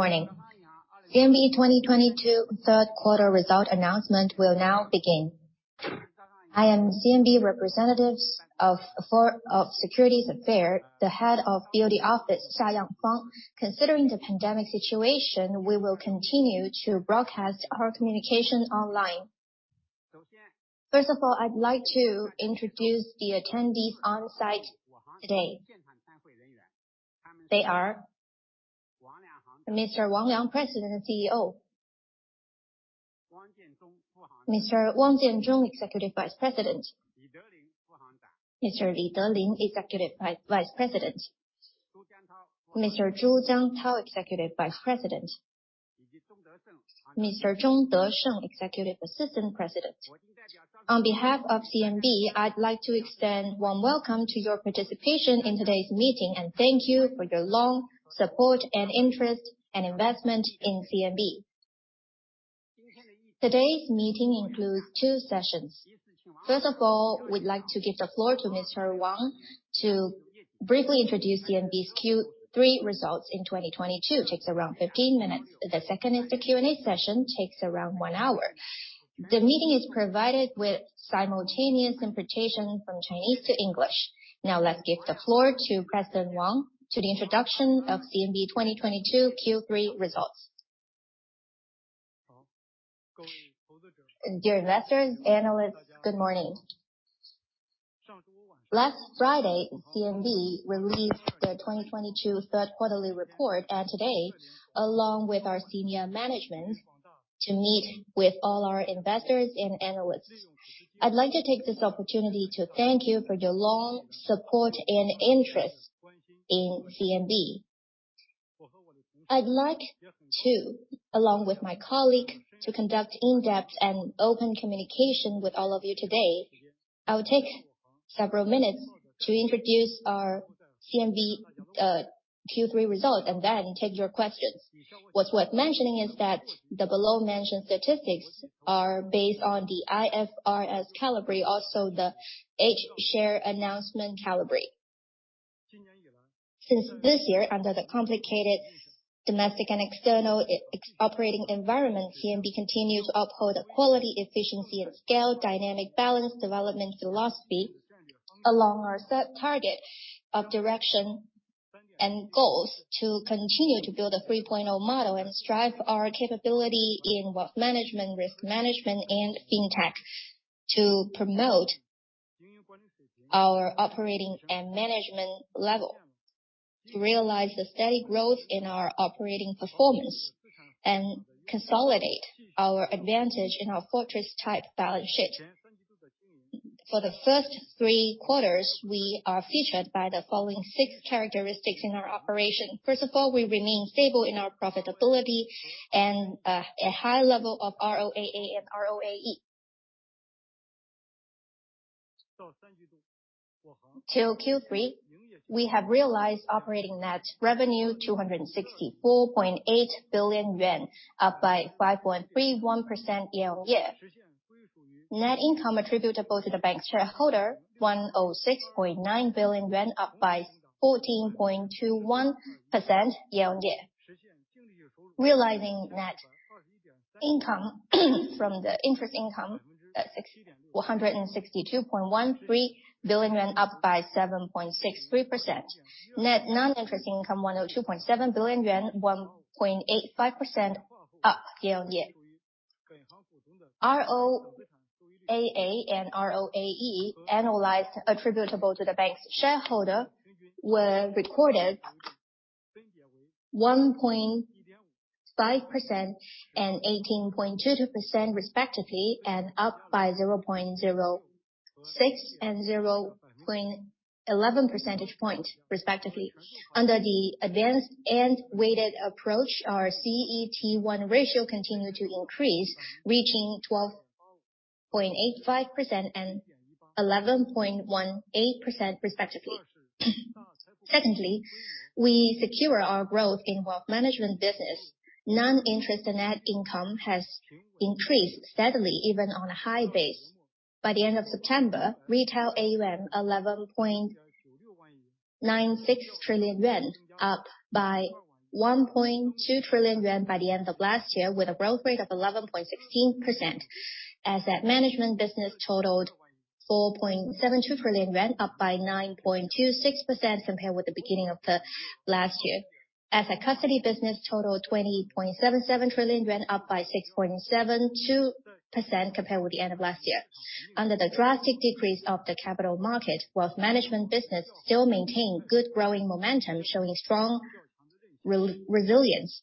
Morning. CMB 2022 third quarter results announcement will now begin. I am the CMB securities affairs, the head of the BOD office, Xia Yangfang. Considering the pandemic situation, we will continue to broadcast our communication online. First of all, I'd like to introduce the attendees onsite today. They are Mr. Wang Liang, President and CEO. Mr. Wang Jianzhong, Executive Vice President. Mr. Li Delin, Executive Vice President. Mr. Zhu Jiangtao, Executive Vice President. Mr. Zhong Desheng, Executive Assistant President. On behalf of CMB, I'd like to extend a warm welcome to your participation in today's meeting, and thank you for your long support and interest and investment in CMB. Today's meeting includes two sessions. First of all, we'd like to give the floor to Mr. Wang to briefly introduce CMB's Q3 results in 2022. It takes around 15 minutes. The second is the Q&A session, takes around one hour. The meeting is provided with simultaneous interpretation from Chinese to English. Now, let's give the floor to President Wang for the introduction of CMB 2022 Q3 results. Dear investors, analysts, good morning. Last Friday, CMB released their 2022 third quarter report, and today, along with our Senior Management, to meet with all our investors and analysts. I'd like to take this opportunity to thank you for your long support and interest in CMB. I'd like to, along with my colleague, to conduct in-depth and open communication with all of you today. I will take several minutes to introduce our CMB Q3 result and then take your questions. What's worth mentioning is that the below-mentioned statistics are based on the IFRS caliber, also the H-share announcement caliber. Since this year, under the complicated domestic and external operating environment, CMB continued to uphold the quality, efficiency, and scale, dynamic balance, development philosophy, along our set target of direction and goals to continue to build a 3.0 model and strive our capability in wealth management, risk management, and fintech to promote our operating and management level. To realize the steady growth in our operating performance and consolidate our advantage in our fortress-type balance sheet. For the first three quarters, we are featured by the following six characteristics in our operation. First of all, we remain stable in our profitability and a high level of ROAA and ROAE. Till Q3, we have realized operating net revenue 264.8 billion yuan, up by 5.31% year-on-year. Net income attributable to the bank shareholder, 106.9 billion yuan, up by 14.21% year-on-year. Realizing net income from the interest income at 162.13 billion yuan, up by 7.63%. Net non-interest income 102.7 billion yuan, 1.85% up year-on-year. ROAA and ROAE attributable to the bank's shareholder were recorded 1.5% and 18.22% respectively, and up by 0.06 and 0.11 percentage points respectively. Under the advanced and weighted approach, our CET1 ratio continued to increase, reaching 12.85% and 11.18% respectively. Secondly, we secure our growth in wealth management business. Non-interest net income has increased steadily even on a high base. By the end of September, retail AUM 11.96 trillion yuan, up by 1.2 trillion yuan by the end of last year with a growth rate of 11.16%. Asset management business totaled 4.72 trillion yuan, up by 9.26% compared with the beginning of last year. Asset custody business totaled 20.77 trillion yuan, up by 6.72% compared with the end of last year. Under the drastic decrease of the capital market, wealth management business still maintained good growing momentum, showing strong resilience.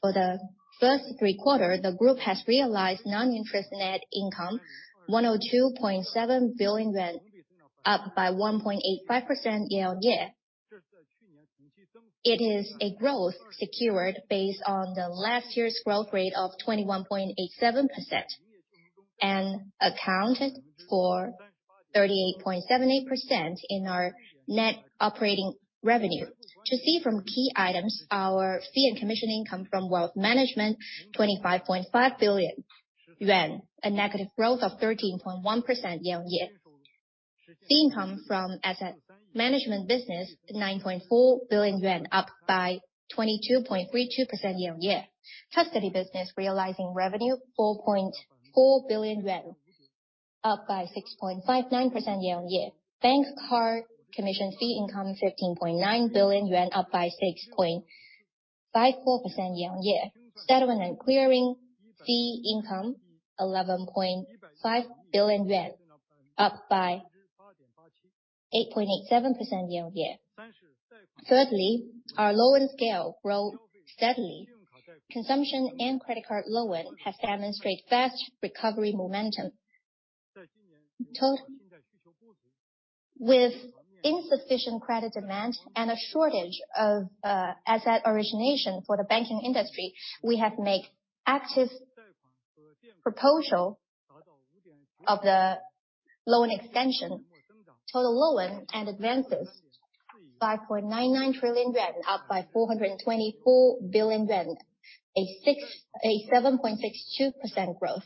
For the first three quarters, the group has realized non-interest net income 102.7 billion yuan, up by 1.85% year-on-year. It is a growth secured based on the last year's growth rate of 21.87% and accounted for 38.78% in our net operating revenue. To see from key items, our fee and commission income from wealth management, 25.5 billion yuan, a negative growth of 13.1% year-on-year. Fee income from asset management business 9.4 billion yuan, up by 22.32% year-on-year. Custody business realizing revenue 4.4 billion yuan, up by 6.59% year-on-year. Bank card commission fee income 15.9 billion yuan, up by 6.54% year-on-year. Settlement and clearing fee income 11.5 billion yuan, up by 8.87% year-on-year. Thirdly, our loan scale grow steadily. Consumption and credit card loan has demonstrated fast recovery momentum. With insufficient credit demand and a shortage of asset origination for the banking industry, we have made active proposal of the loan extension. Total loans and advances, 5.99 trillion yuan, up by 424 billion yuan, a 7.62% growth.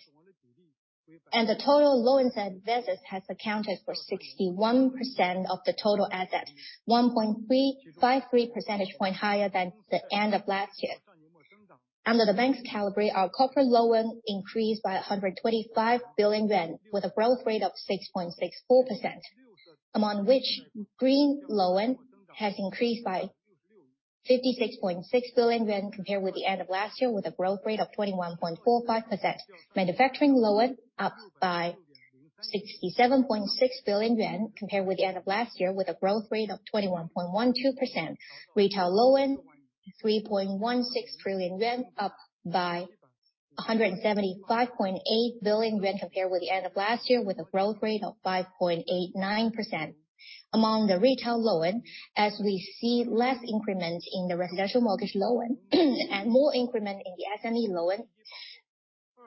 The total loans and advances has accounted for 61% of the total assets, 1.353 percentage point higher than the end of last year. Under the bank's caliber, our corporate loans increased by 125 billion yuan with a growth rate of 6.64%. Among which green loans has increased by 56.6 billion yuan compared with the end of last year with a growth rate of 21.45%. Manufacturing loan up by 67.6 billion yuan compared with the end of last year with a growth rate of 21.12%. Retail loan, CNY 3.16 trillion, up by 175.8 billion yuan compared with the end of last year with a growth rate of 5.89%. Among the retail loan, as we see less increment in the residential mortgage loan and more increment in the SME loan.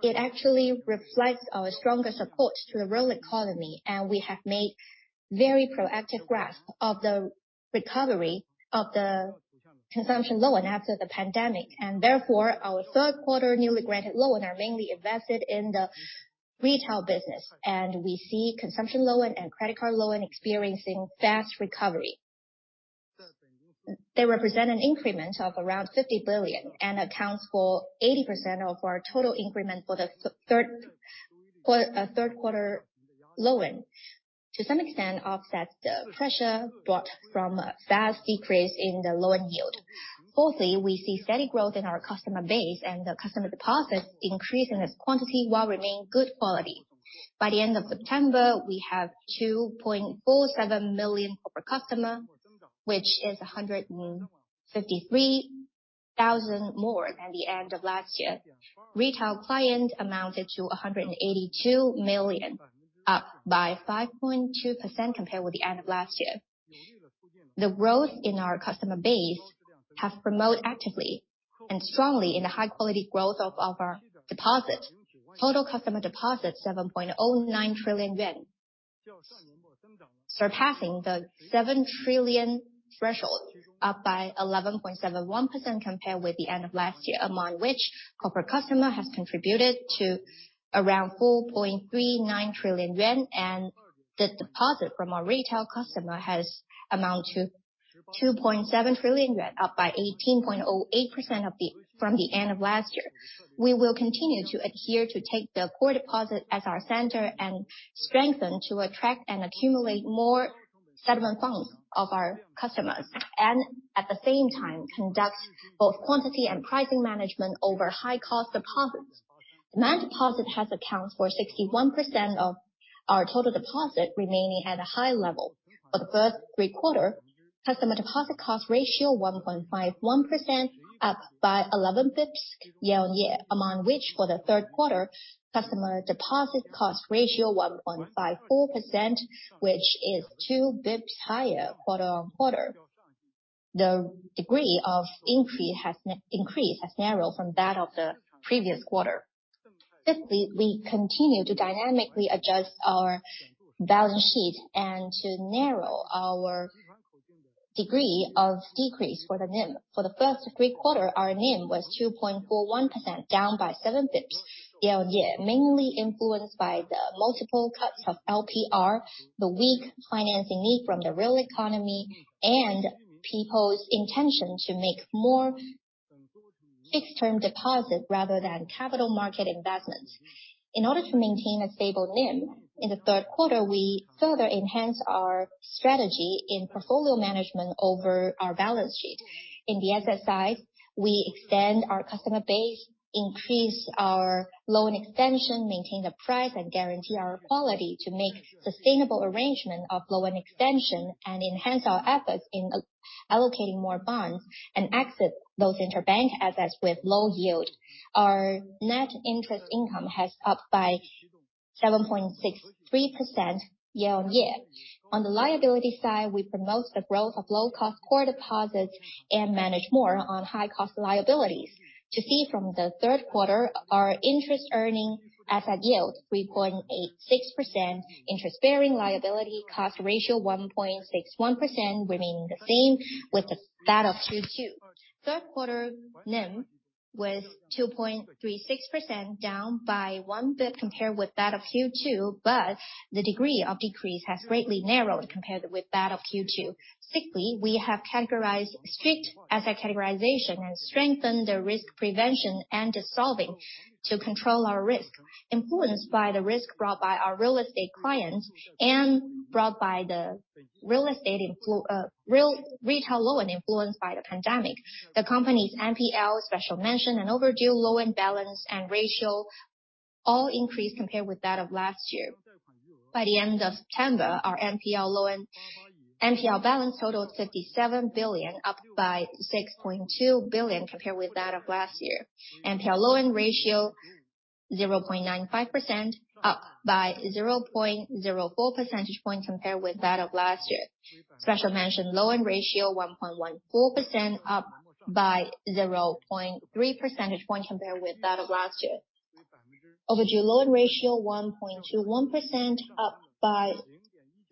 It actually reflects our stronger support to the real economy, and we have made very proactive grasp of the recovery of the consumption loan after the pandemic. Therefore, our third quarter newly granted loan are mainly invested in the retail business, and we see consumption loan and credit card loan experiencing fast recovery. They represent an increment of around 50 billion and accounts for 80% of our total increment for the third quarter loan. To some extent, offsets the pressure brought from a fast decrease in the loan yield. Fourthly, we see steady growth in our customer base, and the customer deposits increase in its quantity while remain good quality. By the end of September, we have 2.47 million corporate customer, which is 153,000 more than the end of last year. Retail client amounted to 182 million, up by 5.2% compared with the end of last year. The growth in our customer base have promote actively and strongly in the high quality growth of our deposit. Total customer deposit, 7.09 trillion yuan, surpassing the 7 trillion threshold, up by 11.71% compared with the end of last year. Among which corporate customer has contributed to around 4.39 trillion yuan, and the deposit from our retail customer has amount to 2.7 trillion yuan, up by 18.08% from the end of last year. We will continue to adhere to take the core deposit as our center and strengthen to attract and accumulate more settlement funds of our customers. At the same time, conduct both quantity and pricing management over high cost deposits. Demand deposit has accounts for 61% of our total deposit remaining at a high level. For the first three quarter, customer deposit cost ratio 1.51%, up by 11 basis points year-on-year. Among which, for the third quarter, customer deposit cost ratio 1.54%, which is 2 basis points higher quarter-on-quarter. The degree of increase has narrowed from that of the previous quarter. Fifthly, we continue to dynamically adjust our balance sheet and to narrow our degree of decrease for the NIM. For the first three quarters, our NIM was 2.41%, down by 7 basis points year-on-year, mainly influenced by the multiple cuts of LPR, the weak financing need from the real economy, and people's intention to make more fixed-term deposits rather than capital market investments. In order to maintain a stable NIM, in the third quarter, we further enhanced our strategy in portfolio management over our balance sheet. In the asset side, we extend our customer base, increase our loan extension, maintain the price, and guarantee our quality to make sustainable arrangement of loan extension and enhance our efforts in allocating more bonds and exit those interbank assets with low yield. Our net interest income has upped by 7.63% year-on-year. On the liability side, we promote the growth of low-cost core deposits and manage more on high-cost liabilities. To see from the third quarter, our interest-earning asset yield 3.86%, interest-bearing liability cost ratio 1.61% remaining the same as that of 2022. Third quarter NIM with 2.36% down by one bp compared with that of Q2. The degree of decrease has greatly narrowed compared with that of Q2. Sixthly, we have categorized strict asset categorization and strengthened the risk prevention and dissolving to control our risk influenced by the risk brought by our real estate clients and brought by the real estate exposure, real retail loan influenced by the pandemic. The company's NPL, special mention, and overdue loan balance and ratio all increased compared with that of last year. By the end of September, our NPL balance totaled 57 billion, up by 6.2 billion compared with that of last year. NPL loan ratio 0.95%, up by 0.04 percentage points compared with that of last year. Special mention loan ratio 1.14%, up by 0.3 percentage points compared with that of last year. Overdue loan ratio 1.21%, up by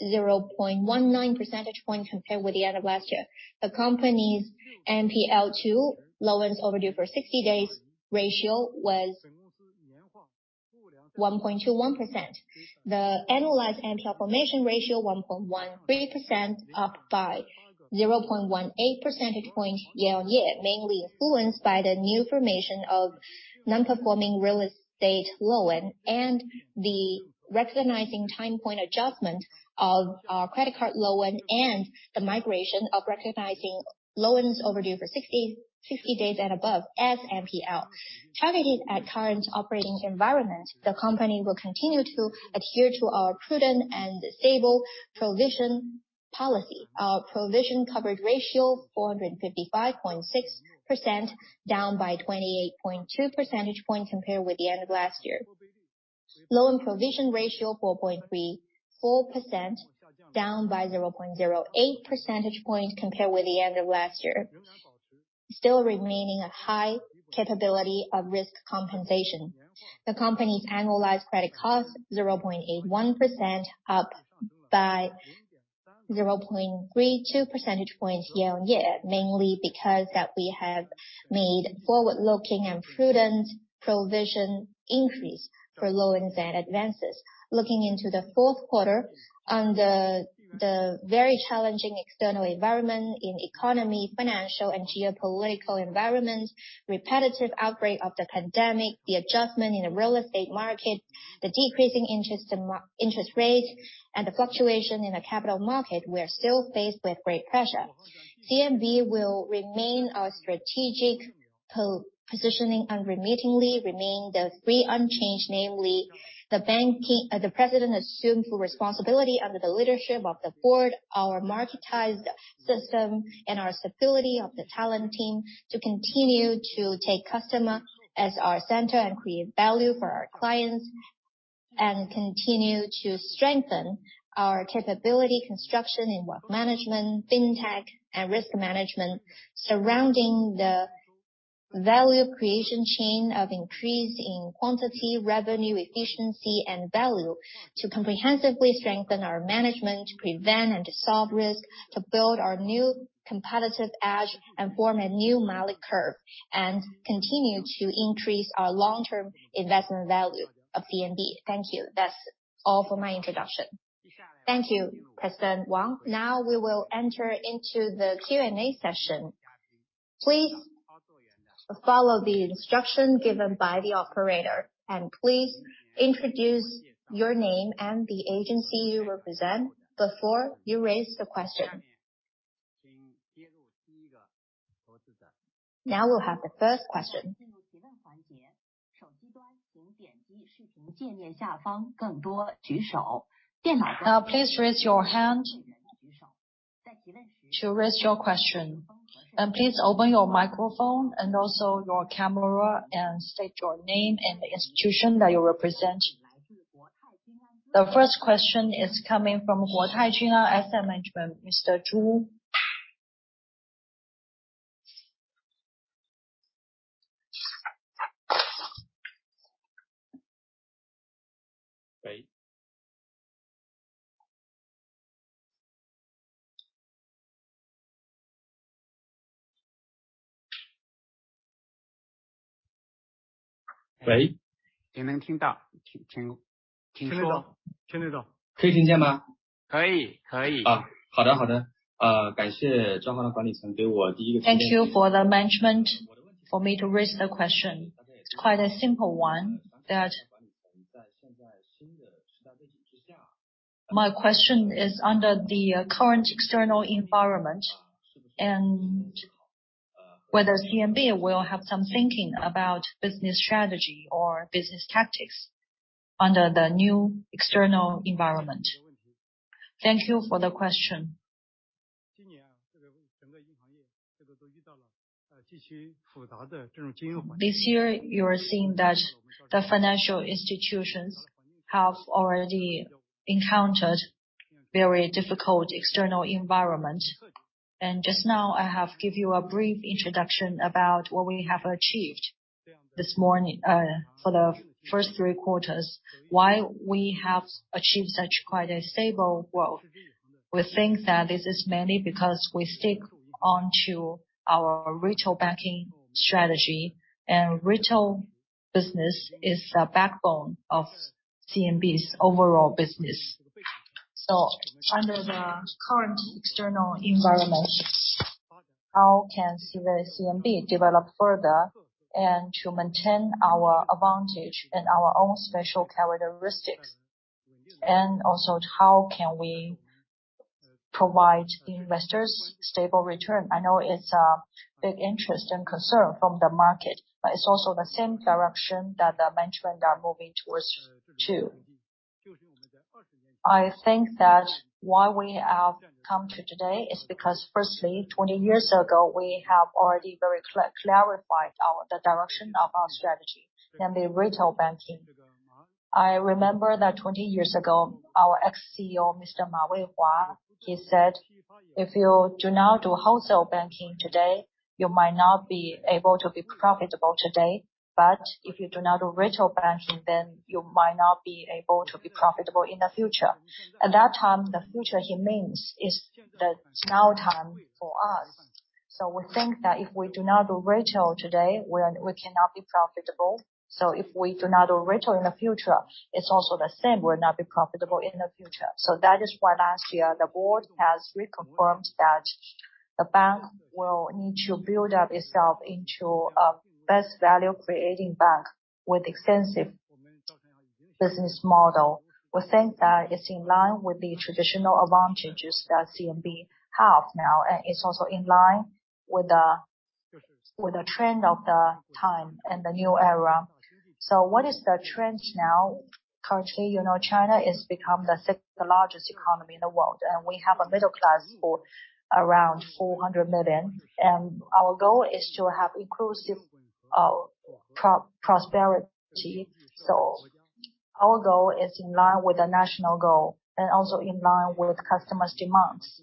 0.19 percentage points compared with the end of last year. The company's NPL-to-loans overdue for 60 days ratio was 1.21%. The annualized NPL formation ratio 1.13%, up by 0.18 percentage points year-on-year, mainly influenced by the new formation of non-performing real estate loan and the recognizing time point adjustment of our credit card loan and the migration of recognizing loans overdue for 60 days and above as NPL. Targeted at current operating environment, the company will continue to adhere to our prudent and stable provision policy. Our provision coverage ratio 455.6%, down by 28.2 percentage points compared with the end of last year. Loan provision ratio 4.34%, down by 0.08 percentage points compared with the end of last year. Still remaining a high capability of risk compensation. The company's annualized credit cost 0.81%, up by 0.32 percentage points year-on-year, mainly because that we have made forward-looking and prudent provision increase for loans and advances. Looking into the fourth quarter, under the very challenging external economic, financial, and geopolitical environment, repetitive outbreak of the pandemic, the adjustment in the real estate market, the decreasing interest rates, and the fluctuation in the capital market, we are still faced with great pressure. CMB will remain our strategic positioning unremittingly, remain the three unchanged, namely the banking. The president assumed full responsibility under the leadership of the board, our marketized system, and our stability of the talent team to continue to take customer as our center and create value for our clients, and continue to strengthen our capability construction in work management, fintech, and risk management surrounding the value creation chain of increase in quantity, revenue, efficiency, and value to comprehensively strengthen our management, to prevent and dissolve risk, to build our new competitive edge, and form a new Malik curve, and continue to increase our long-term investment value of CMB. Thank you. That's all for my introduction. Thank you, President Wang. Now we will enter into the Q&A session. Please follow the instruction given by the operator and please introduce your name and the agency you represent before you raise the question. Now we'll have the first question. Now please raise your hand to raise your question. Please open your microphone and also your camera and state your name and the institution that you represent. The first question is coming from Huatai Asset Management, Mr. Chu. Thank you for the management for me to raise the question. It's quite a simple one that my question is under the current external environment and whether CMB will have some thinking about business strategy or business tactics under the new external environment. Thank you for the question. This year, you are seeing that the financial institutions have already encountered very difficult external environment. Just now, I have give you a brief introduction about what we have achieved this morning, for the first three quarters, why we have achieved such quite a stable growth. We think that this is mainly because we stick to our retail banking strategy, and retail business is the backbone of CMB's overall business. Under the current external environment, how can CMB develop further and to maintain our advantage and our own special characteristics? Also, how can we provide investors stable return? I know it's a big interest and concern from the market, but it's also the same direction that the management are moving towards too. I think that why we have come to today is because firstly, 20 years ago, we have already very clarified our the direction of our strategy, namely retail banking. I remember that 20 years ago, our ex-CEO, Mr. Ma Weihua, he said, "If you do not do wholesale banking today, you might not be able to be profitable today. If you do not do retail banking, then you might not be able to be profitable in the future." At that time, the future he means is the now time for us. We think that if we do not do retail today, we cannot be profitable. If we do not do retail in the future, it's also the same, we'll not be profitable in the future. That is why last year the board has reconfirmed that the bank will need to build up itself into a best value-creating bank with extensive business model. We think that it's in line with the traditional advantages that CMB have now, and it's also in line with the trend of the time and the new era. What is the trend now? Currently, you know, China has become the sixth largest economy in the world, and we have a middle class for around 400 million. Our goal is to have inclusive prosperity. Our goal is in line with the national goal and also in line with customers' demands.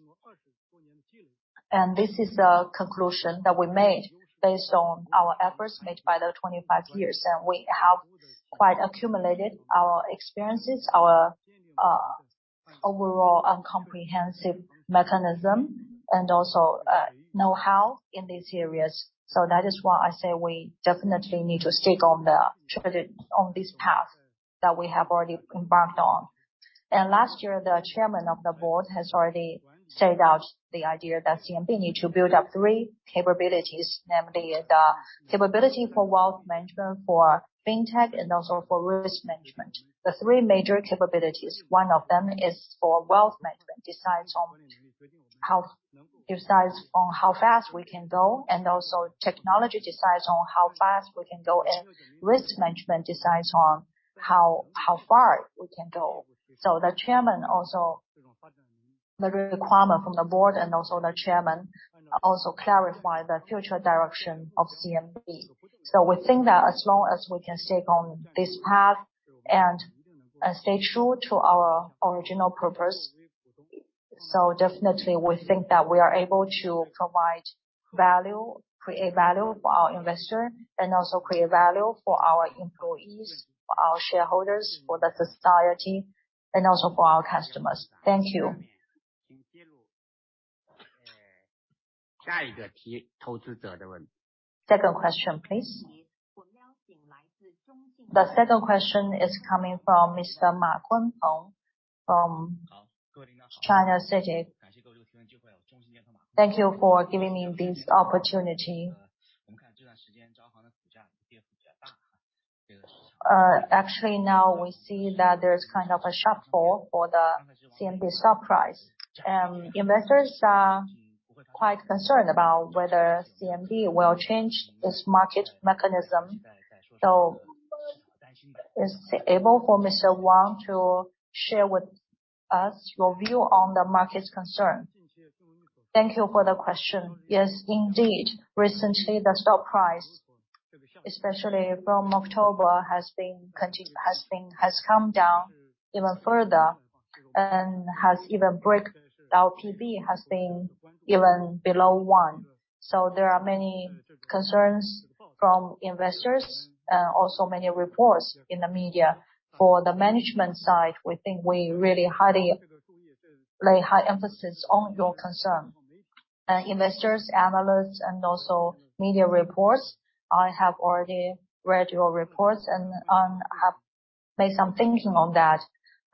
This is a conclusion that we made based on our efforts made by the 25 years. We have quite accumulated our experiences, our overall and comprehensive mechanism and also know-how in these areas. That is why I say we definitely need to stick on this path that we have already embarked on. Last year, the chairman of the board has already set out the idea that CMB need to build up three capabilities, namely the capability for wealth management, for fintech, and also for risk management. The three major capabilities, one of them is for wealth management, decides on how fast we can go. Technology decides on how fast we can go. Risk management decides on how far we can go. The chairman also the requirement from the board and the chairman clarified the future direction of CMB. We think that as long as we can stay on this path and stay true to our original purpose, definitely we think that we are able to provide value, create value for our investor and also create value for our employees, for our shareholders, for the society, and also for our customers. Thank you. Second question, please. The second question is coming from Mr. Wang Ying from China Merchants Bank. Thank you for giving me this opportunity. Actually now we see that there's kind of a shortfall for the CMB stock price. Investors are quite concerned about whether CMB will change its market mechanism. So, is Mr. Wang able to share with us your view on the market's concern? Thank you for the question. Yes, indeed. Recently, the stock price, especially from October, has come down even further and has even broken the P/B, which has been even below one. There are many concerns from investors and also many reports in the media. For the management side, we think we really lay high emphasis on your concern. Investors, analysts, and also media reports, I have already read your reports and have made some thinking on that.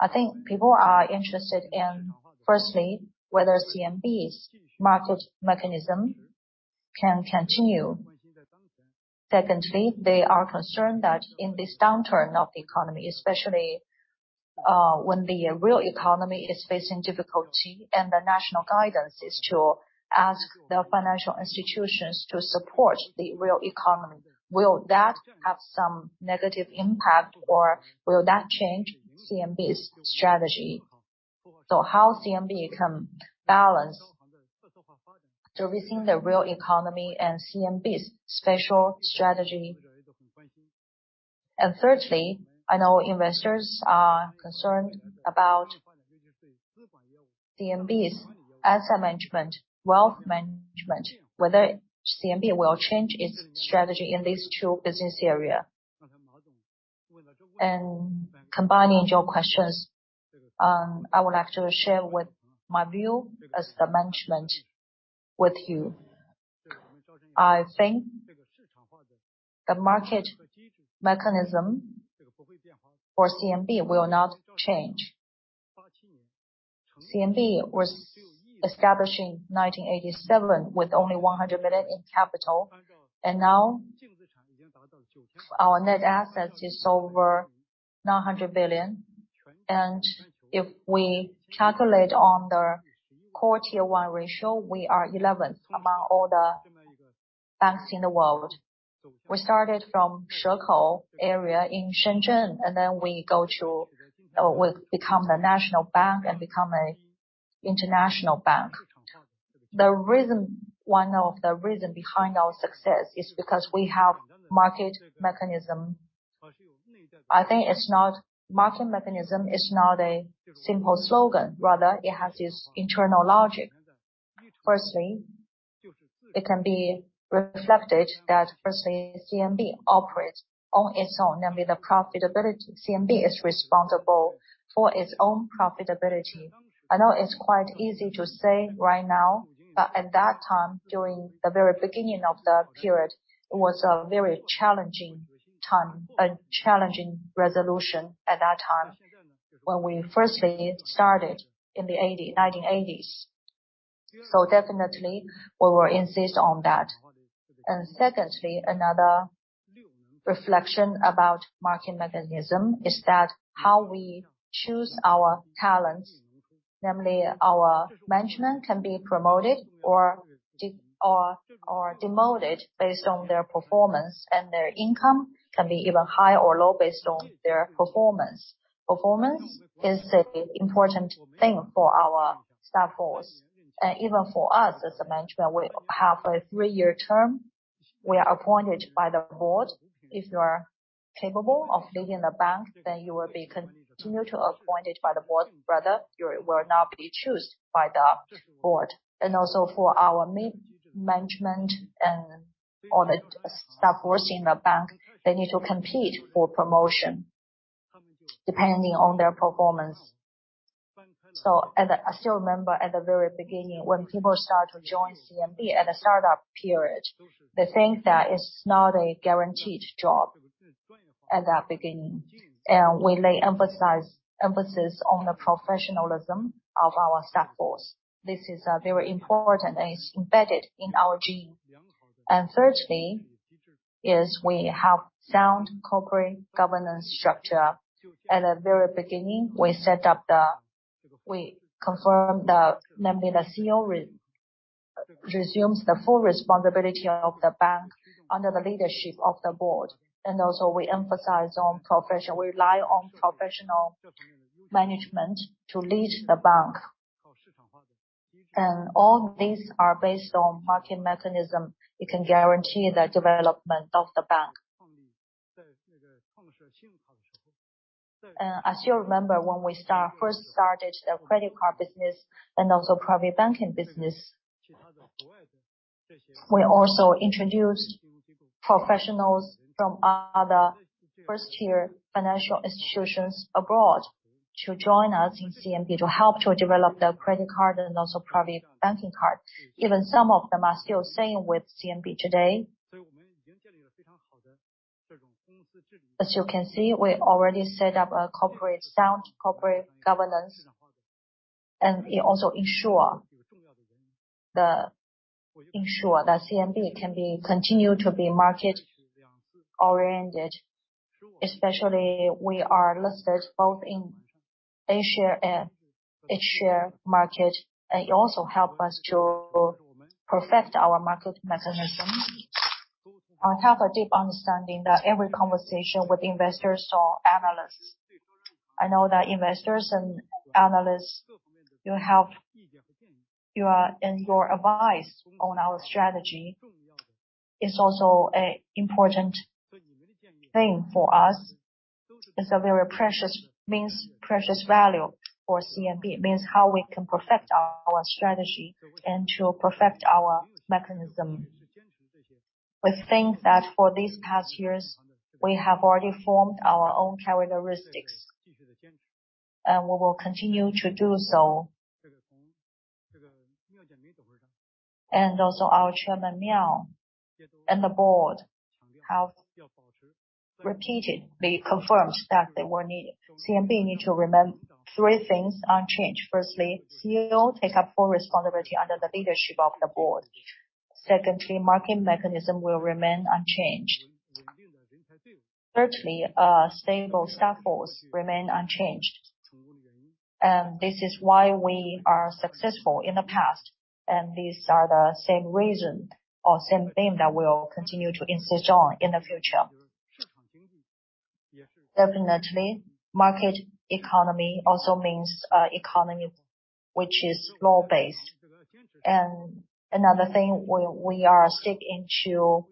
I think people are interested in, firstly, whether CMB's market mechanism can continue. Secondly, they are concerned that in this downturn of the economy, especially, when the real economy is facing difficulty and the national guidance is to ask the financial institutions to support the real economy, will that have some negative impact or will that change CMB's strategy? So how CMB can balance servicing the real economy and CMB's special strategy? Thirdly, I know investors are concerned about CMB's asset management, wealth management, whether CMB will change its strategy in these two business area. Combining your questions, I would like to share what my view as the management with you. I think the market mechanism for CMB will not change. CMB was established in 1987 with only 100 million in capital. Now, our net assets is over 900 billion. If we calculate on the core Tier 1 ratio, we are 11th among all the banks in the world. We started from Shekou area in Shenzhen, and then we've become the national bank and become an international bank. One of the reasons behind our success is because we have market mechanism. I think it's not. Market mechanism is not a simple slogan. Rather, it has its internal logic. Firstly, it can be reflected that CMB operates on its own, namely the profitability. CMB is responsible for its own profitability. I know it's quite easy to say right now, but at that time, during the very beginning of that period, it was a very challenging time, a challenging resolution at that time when we first started in the 1980s. Definitely, we will insist on that. Secondly, another reflection about market mechanism is that how we choose our talents, namely our management can be promoted or demoted based on their performance, and their income can be even high or low based on their performance. Performance is a important thing for our staff force. Even for us as a management, we have a three-year term. We are appointed by the board. If you are capable of leading the bank, then you will be continued to appointed by the board. Rather, you will not be chosen by the board. Also for our mid management and all the staff force in the bank, they need to compete for promotion depending on their performance. I still remember at the very beginning, when people started to join CMB at the startup period, they think that it's not a guaranteed job at that beginning. We place emphasis on the professionalism of our staff force. This is very important, and it's embedded in our gene. Thirdly, we have sound corporate governance structure. At the very beginning, we confirmed namely, the CEO assumes the full responsibility of the bank under the leadership of the board. We also emphasize professionalism. We rely on professional management to lead the bank. All these are based on market mechanism. It can guarantee the development of the bank. I still remember when we first started the credit card business and also private banking business, we also introduced professionals from other first-tier financial institutions abroad to join us in CMB to help to develop the credit card and also private banking business. Even some of them are still staying with CMB today. As you can see, we already set up sound corporate governance, and it also ensure that CMB can be continued to be market-oriented. Especially, we are listed both in A-share and H-share market, and it also help us to perfect our market mechanism. I have a deep understanding that every conversation with investors or analysts. I know that investors and analysts, you have your advice on our strategy is also a important thing for us. It's a very precious means, precious value for CMB. It means how we can perfect our strategy and to perfect our mechanism. We think that for these past years, we have already formed our own characteristics, and we will continue to do so. Also our Chairman Miao and the board have repeatedly confirmed that they were needed. CMB need to remain three things unchanged. Firstly, CEO take up full responsibility under the leadership of the board. Secondly, market mechanism will remain unchanged. Thirdly, stable staff force remain unchanged. This is why we are successful in the past, and these are the same reason or same thing that we'll continue to insist on in the future. Definitely, market economy also means, economy which is law-based. Another thing we are sticking to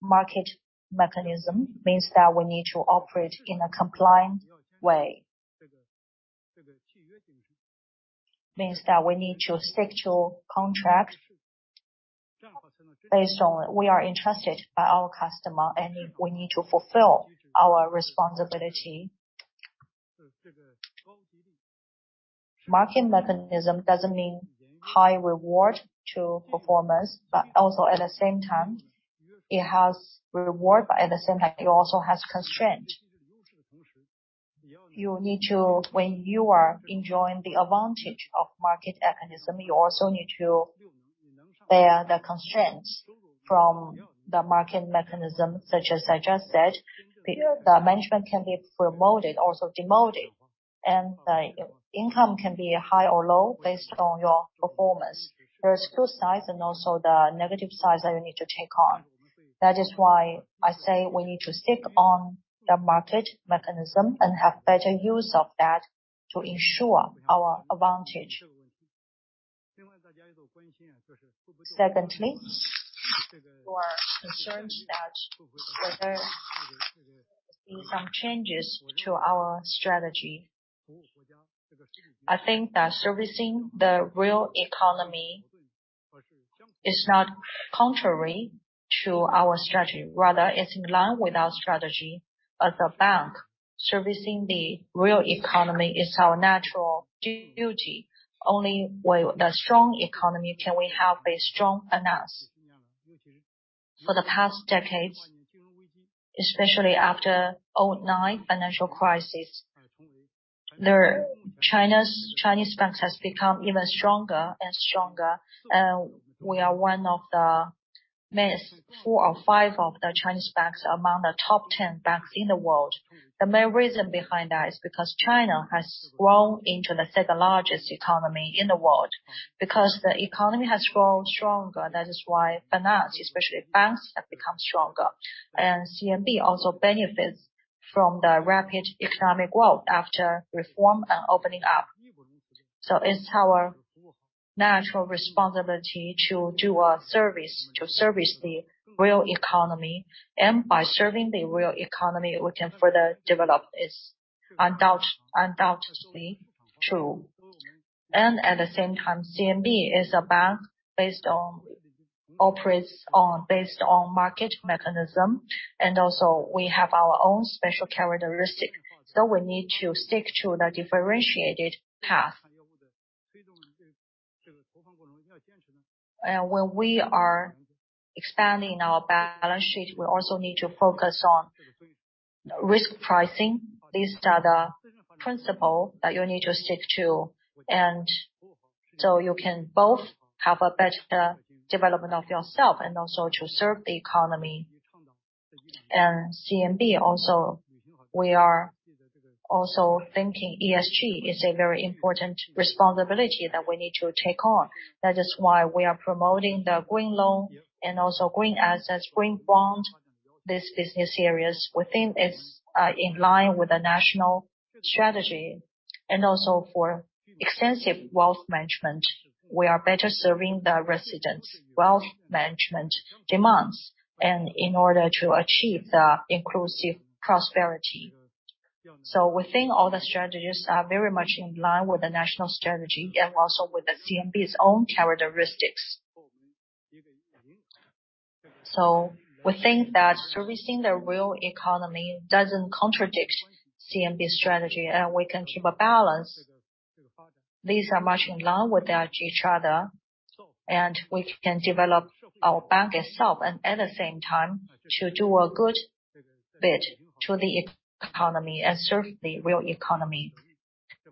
market mechanism means that we need to operate in a compliant way. Means that we need to stick to contract. Based on we are entrusted by our customer, and we need to fulfill our responsibility. Market mechanism doesn't mean high reward to performers, but also at the same time, it has reward, but at the same time, it also has constraint. You need to. When you are enjoying the advantage of market mechanism, you also need to bear the constraints from the market mechanism, such as I just said. The management can be promoted, also demoted. The income can be high or low based on your performance. There are two sides and also the negative sides that you need to take on. That is why I say we need to stick on the market mechanism and have better use of that to ensure our advantage. Secondly, we are concerned that whether there will be some changes to our strategy. I think that servicing the real economy is not contrary to our strategy. Rather, it's in line with our strategy. As a bank, servicing the real economy is our natural duty. Only with a strong economy can we have a strong finance. For the past decades, especially after 2009 financial crisis, Chinese banks has become even stronger and stronger. We are one of the four or five of the Chinese banks among the top 10 banks in the world. The main reason behind that is because China has grown into the second-largest economy in the world. Because the economy has grown stronger, that is why finance, especially banks, have become stronger. CMB also benefits from the rapid economic growth after reform and opening up. It's our natural responsibility to do our service, to service the real economy. By serving the real economy, we can further develop. It's undoubtedly true. At the same time, CMB is a bank based on market mechanism. We also have our own special characteristic. We need to stick to the differentiated path. When we are expanding our balance sheet, we also need to focus on risk pricing. These are the principle that you need to stick to. You can both have a better development of yourself and also to serve the economy. CMB also, we are also thinking ESG is a very important responsibility that we need to take on. That is why we are promoting the green loan and also green assets, green bond, these business areas. We think it's in line with the national strategy and also for extensive wealth management. We are better serving the residents' wealth management demands and in order to achieve the inclusive prosperity. We think all the strategies are very much in line with the national strategy and also with the CMB's own characteristics. We think that servicing the real economy doesn't contradict CMB's strategy, and we can keep a balance. These are much in line with each other, and we can develop our bank itself and at the same time to do a good bit to the economy and serve the real economy,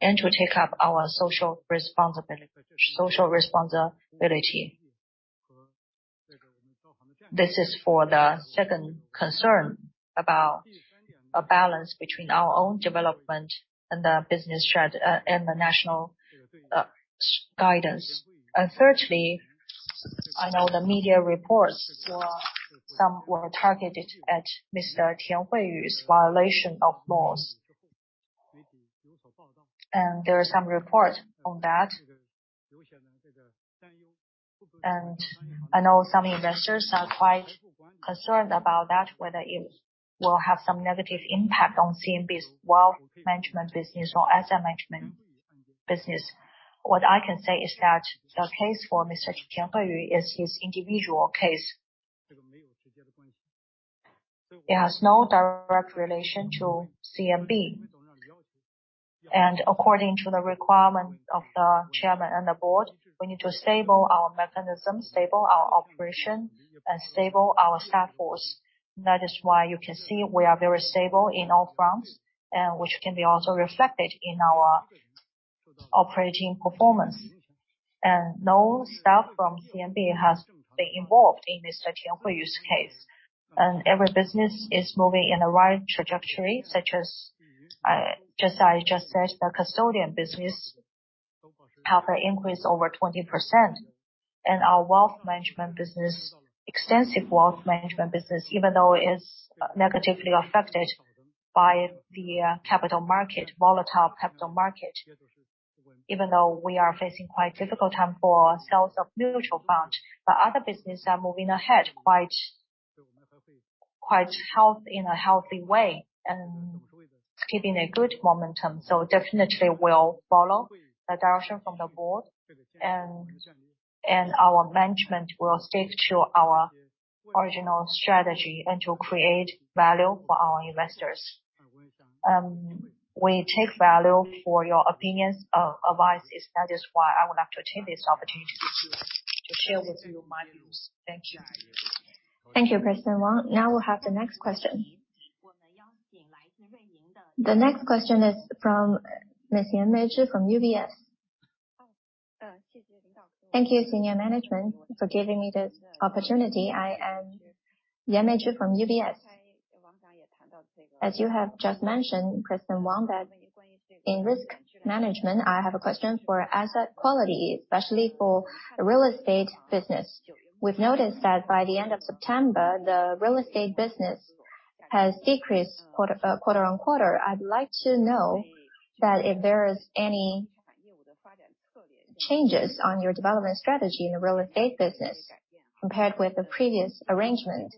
and to take up our social responsibility. This is for the second concern about a balance between our own development and the business strategy and the national strategy guidance. Thirdly, I know the media reports, some were targeted at Mr. Tian Huiyu's violation of laws. There are some reports on that. I know some investors are quite concerned about that, whether it will have some negative impact on CMB's wealth management business or asset management business. What I can say is that the case for Mr. Tian Huiyu is his individual case. It has no direct relation to CMB. According to the requirement of the chairman and the board, we need to stabilize our mechanism, stabilize our operation, and stabilize our staff force. That is why you can see we are very stable in all fronts, and which can be also reflected in our operating performance. No staff from CMB has been involved in Mr. Tian Huiyu's case. Every business is moving in the right trajectory, such as, just as I just said, the custodian business have an increase over 20%. Our wealth management business, extensive wealth management business, even though is negatively affected by the capital market, volatile capital market, even though we are facing quite difficult time for sales of mutual fund, but other business are moving ahead quite in a healthy way and keeping a good momentum. Definitely we'll follow the direction from the board. Our management will stick to our original strategy and to create value for our investors. We value your opinions, advice. That is why I would like to take this opportunity to share with you my views. Thank you. Thank you, President Wang. Now we'll have the next question. The next question is from Miss Meizhi Yan from UBS. Thank you, Senior Management, for giving me this opportunity. I am Meizhi Yan from UBS. As you have just mentioned, President Wang, that in risk management, I have a question for asset quality, especially for real estate business. We've noticed that by the end of September, the real estate business has decreased quarter-on-quarter. I'd like to know that if there is any changes on your development strategy in the real estate business compared with the previous arrangement?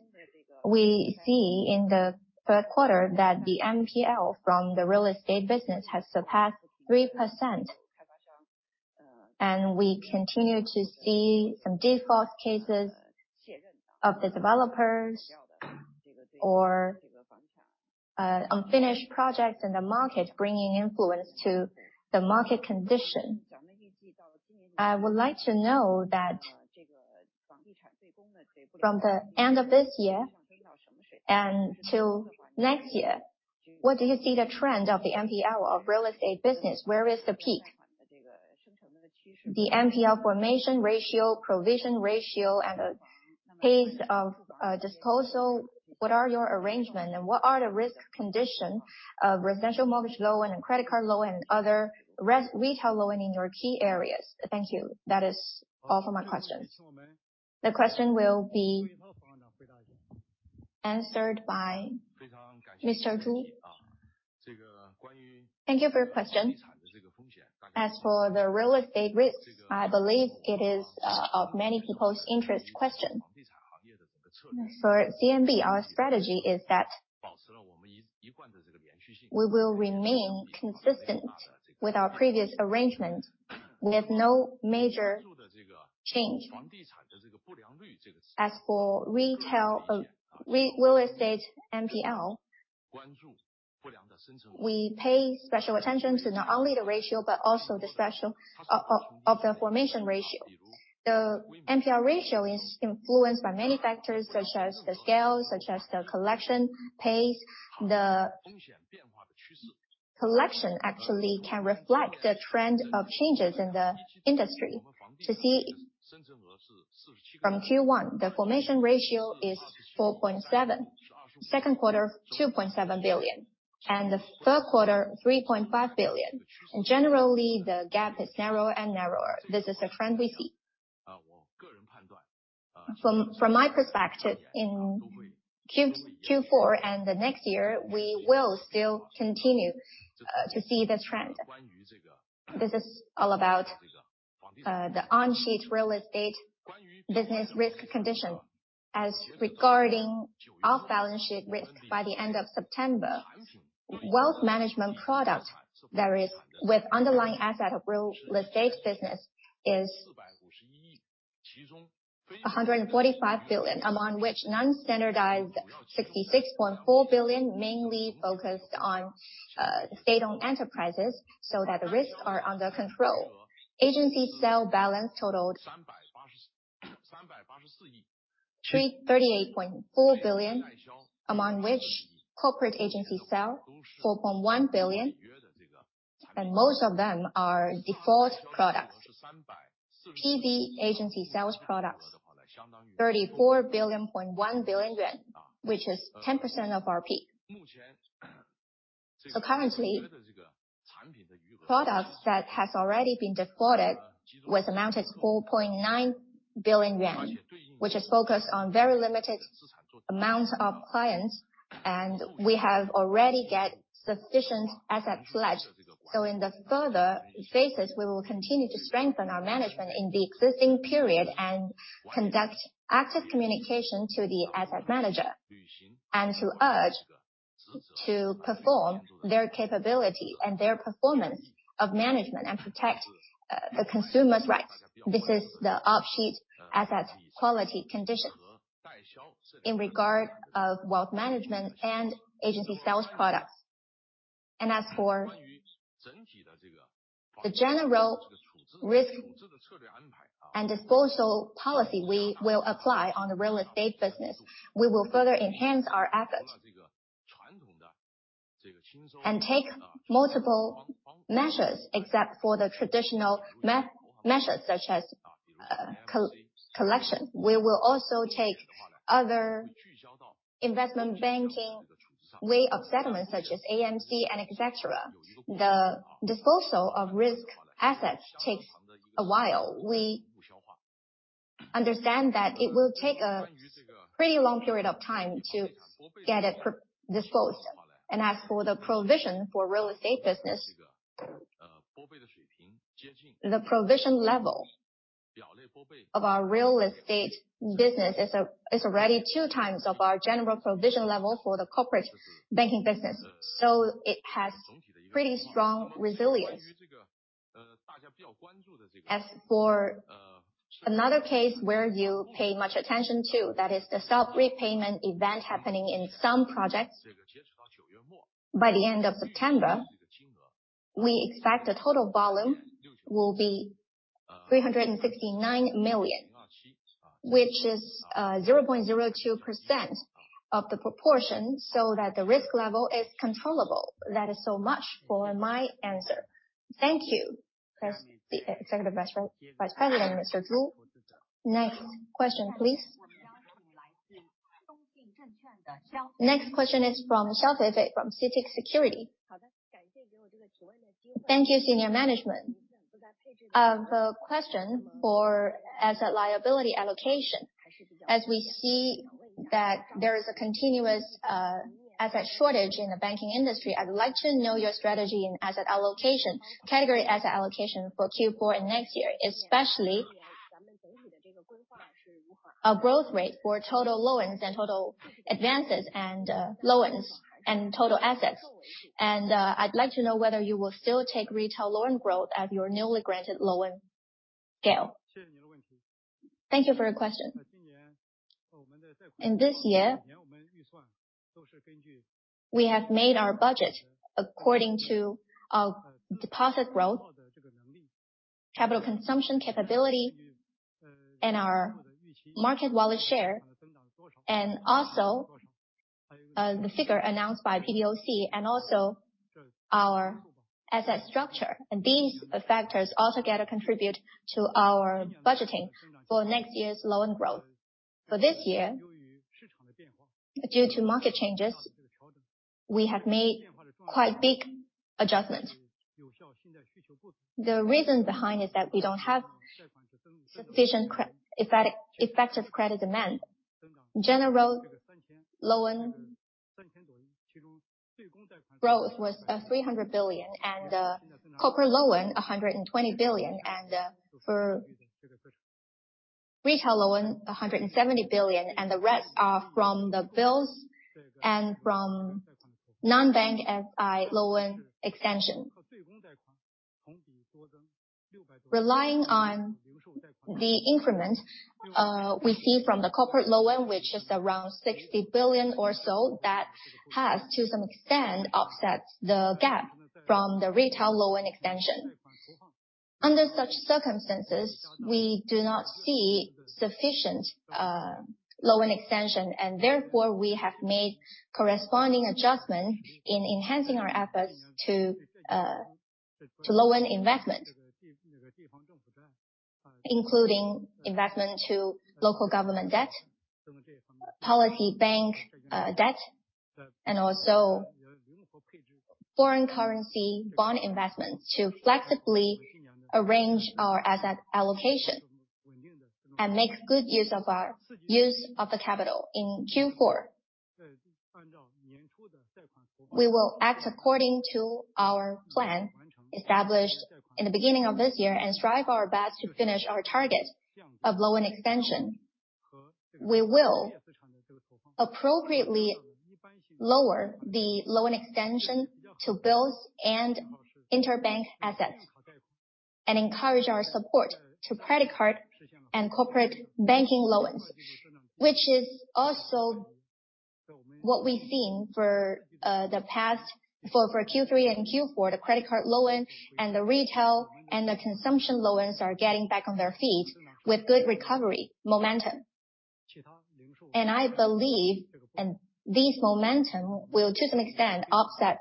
We see in the third quarter that the NPL from the real estate business has surpassed 3%. We continue to see some default cases of the developers or unfinished projects in the market, bringing influence to the market condition. I would like to know that from the end of this year and till next year, what do you see the trend of the NPL of real estate business? Where is the peak? The NPL formation ratio, provision ratio and the pace of disposal, what are your arrangement and what are the risk condition of residential mortgage loan and credit card loan and other retail loan in your key areas? Thank you. That is all for my questions. The question will be answered by Mr. Zhu Jiangtao. Thank you for your question. As for the real estate risk, I believe it is of many people's interest question. For CMB, our strategy is that we will remain consistent with our previous arrangement with no major change. As for retail real estate NPL, we pay special attention to not only the ratio, but also the special of the formation ratio. The NPL ratio is influenced by many factors such as the scale, such as the collection pace. The collection actually can reflect the trend of changes in the industry. From Q1, the formation ratio is 4.7. Second quarter, 2.7 billion. The third quarter, 3.5 billion. Generally, the gap is narrower and narrower. This is a trend we see. From my perspective, in Q4 and the next year, we will still continue to see the trend. This is all about the on-balance sheet real estate business risk condition. Regarding off-balance sheet risk by the end of September, wealth management product that is with underlying asset of real estate business is 145 billion, among which non-standardized 66.4 billion mainly focused on state-owned enterprises, so that the risks are under control. Agency sale balance totaled 38.4 billion, among which corporate agency sale 4.1 billion, and most of them are default products. PB agency sales products, 34.1 billion yuan, which is 10% of our peak. Currently, products that has already been defaulted was amounted 4.9 billion yuan, which is focused on very limited amount of clients, and we have already get sufficient assets pledged. In the further phases, we will continue to strengthen our management in the existing period and conduct active communication to the asset manager, and to urge to perform their capability and their performance of management and protect the consumers' rights. This is the off-sheet asset quality condition in regard of wealth management and agency sales products. As for the general risk and disposal policy we will apply on the real estate business, we will further enhance our efforts. Take multiple measures except for the traditional measures such as collection. We will also take other investment banking way of settlement such as AMC and etc. The disposal of risk assets takes a while. We understand that it will take a pretty long period of time to get it disposed. As for the provision for real estate business. The provision level of our real estate business is already two times of our general provision level for the corporate banking business. So it has pretty strong resilience. As for another case where you pay much attention to, that is the self-repayment event happening in some projects. By the end of September, we expect the total volume will be 369 million, which is 0.02% of the proportion so that the risk level is controllable. That is so much for my answer. Thank you. Executive Vice President, Mr. Zhu. Next question, please. Next question is from Xiao Feifei from CITIC Securities. Thank you, Senior Management. The question for asset liability allocation. As we see that there is a continuous, asset shortage in the banking industry, I would like to know your strategy in asset allocation, category asset allocation for Q4 and next year, especially a growth rate for total loans and total advances and, loans and total assets. I'd like to know whether you will still take retail loan growth as your newly granted loan scale. Thank you for your question. In this year, we have made our budget according to our deposit growth, capital consumption capability, and our market wallet share, and also, the figure announced by PBOC, and also our asset structure. These factors all together contribute to our budgeting for next year's loan growth. For this year, due to market changes, we have made quite big adjustments. The reason behind is that we don't have sufficient effective credit demand. General loan growth was 300 billion, and corporate loan 120 billion, and for retail loan 170 billion, and the rest are from the bills and from non-bank FI loan extension. Relying on the increment we see from the corporate loan, which is around 60 billion or so, that has to some extent offset the gap from the retail loan extension. Under such circumstances, we do not see sufficient loan extension and therefore we have made corresponding adjustments in enhancing our efforts to loan investment. Including investment to local government debt, policy bank debt, and also foreign currency bond investments to flexibly arrange our asset allocation and make good use of our use of the capital in Q4. We will act according to our plan established in the beginning of this year and strive our best to finish our target of loan extension. We will appropriately lower the loan extension to bills and interbank assets and encourage our support to credit card and corporate banking loans, which is also what we've seen for the past for Q3 and Q4. The credit card loan and the retail and the consumption loans are getting back on their feet with good recovery momentum. I believe this momentum will to some extent offset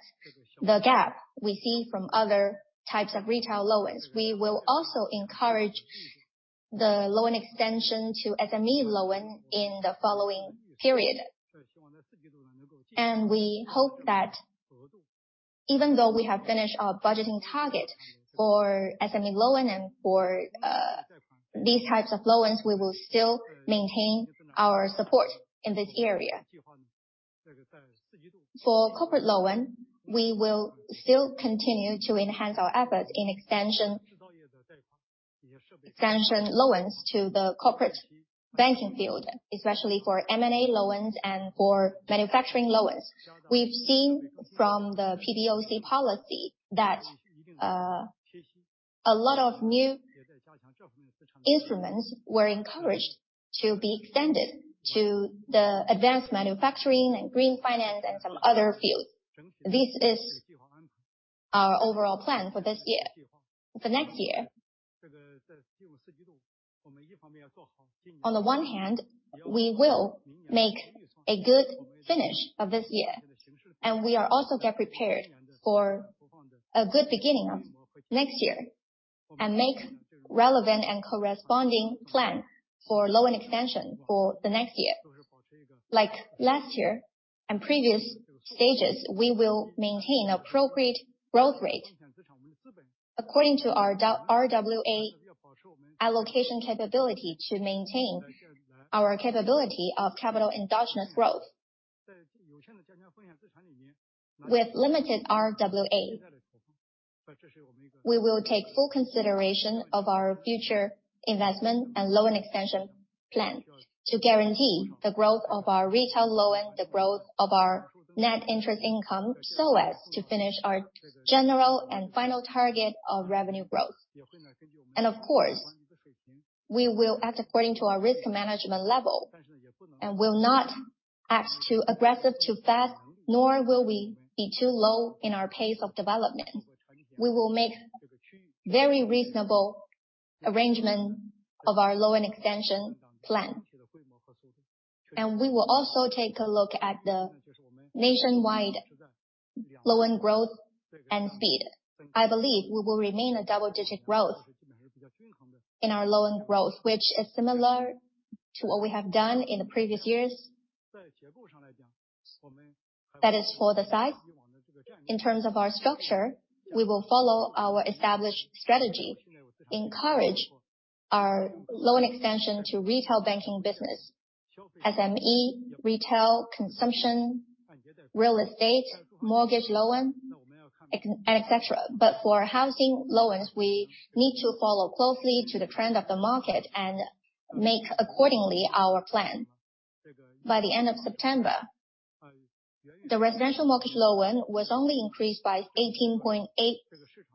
the gap we see from other types of retail loans. We will also encourage the loan extension to SME loan in the following period. We hope that even though we have finished our budgeting target for SME loan and for these types of loans, we will still maintain our support in this area. For corporate loan, we will still continue to enhance our efforts in extension loans to the corporate banking field, especially for M&A loans and for manufacturing loans. We've seen from the PBOC policy that a lot of new instruments were encouraged to be extended to the advanced manufacturing and green finance and some other fields. This is our overall plan for this year. For next year, on the one hand, we will make a good finish of this year, and we are also getting prepared for a good beginning of next year and make relevant and corresponding plan for loan extension for the next year. Like last year and previous stages, we will maintain appropriate growth rate according to our RWA allocation capability to maintain our capability of capital endogenous growth. With limited RWA, we will take full consideration of our future investment and loan extension plan to guarantee the growth of our retail loan, the growth of our net interest income, so as to finish our general and final target of revenue growth. Of course, we will act according to our risk management level and will not act too aggressive, too fast, nor will we be too low in our pace of development. We will make very reasonable arrangement of our loan extension plan. We will also take a look at the nationwide loan growth and speed. I believe we will remain a double-digit growth in our loan growth, which is similar to what we have done in the previous years. That is for the size. In terms of our structure, we will follow our established strategy, encourage our loan extension to retail banking business, SME, retail, consumption, real estate, mortgage loan, etc. But for housing loans, we need to follow closely to the trend of the market and make accordingly our plan. By the end of September, the residential mortgage loan was only increased by 18.8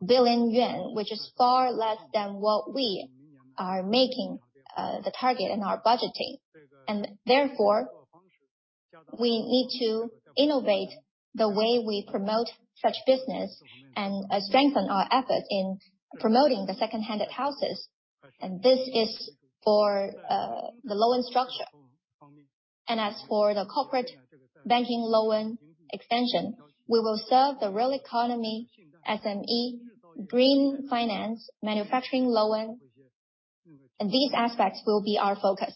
billion yuan, which is far less than what we are making, the target in our budgeting. Therefore, we need to innovate the way we promote such business and strengthen our effort in promoting the second-hand houses. This is for the loan structure. As for the corporate banking loan extension, we will serve the real economy, SME, green finance, manufacturing loan, and these aspects will be our focus.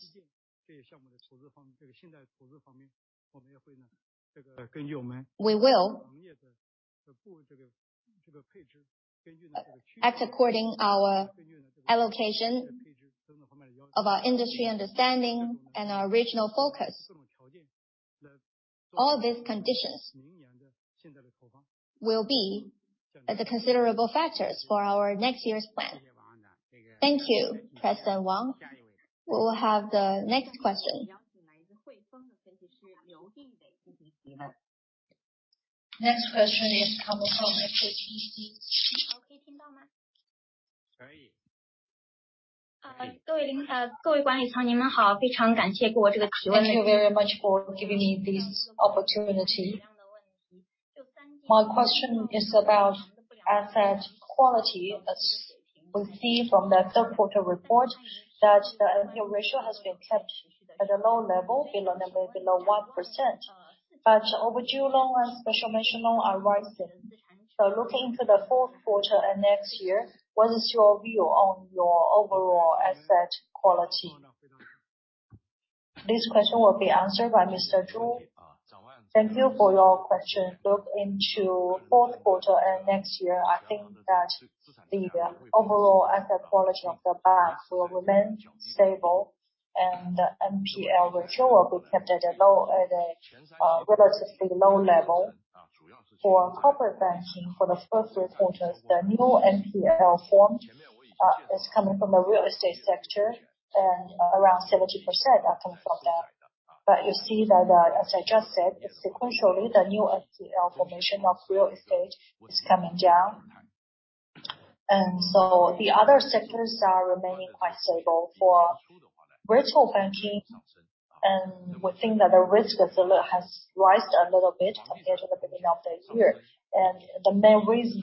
We will. Act according to our allocation of our industry understanding and our regional focus. All these conditions will be the considerable factors for our next year's plan. Thank you, President Wang. We will have the next question. Next question is coming from HSBC. Thank you very much for giving me this opportunity. My question is about asset quality. As we see from the third quarter report that the NPL ratio has been kept at a low level, below 1%. Overdue loans and special mention loans are rising. Looking to the fourth quarter and next year, what is your view on your overall asset quality? This question will be answered by Mr. Zhu. Thank you for your question. Looking into fourth quarter and next year, I think that the overall asset quality of the bank will remain stable and NPL ratio will be kept at a relatively low level. For corporate banking, for the first quarter, the new NPL formed is coming from the real estate sector and around 70% are coming from that. You see that, as I just said, sequentially, the new NPL formation of real estate is coming down. The other sectors are remaining quite stable. For retail banking, we think that the risk has risen a little bit compared to the beginning of the year. The main reason,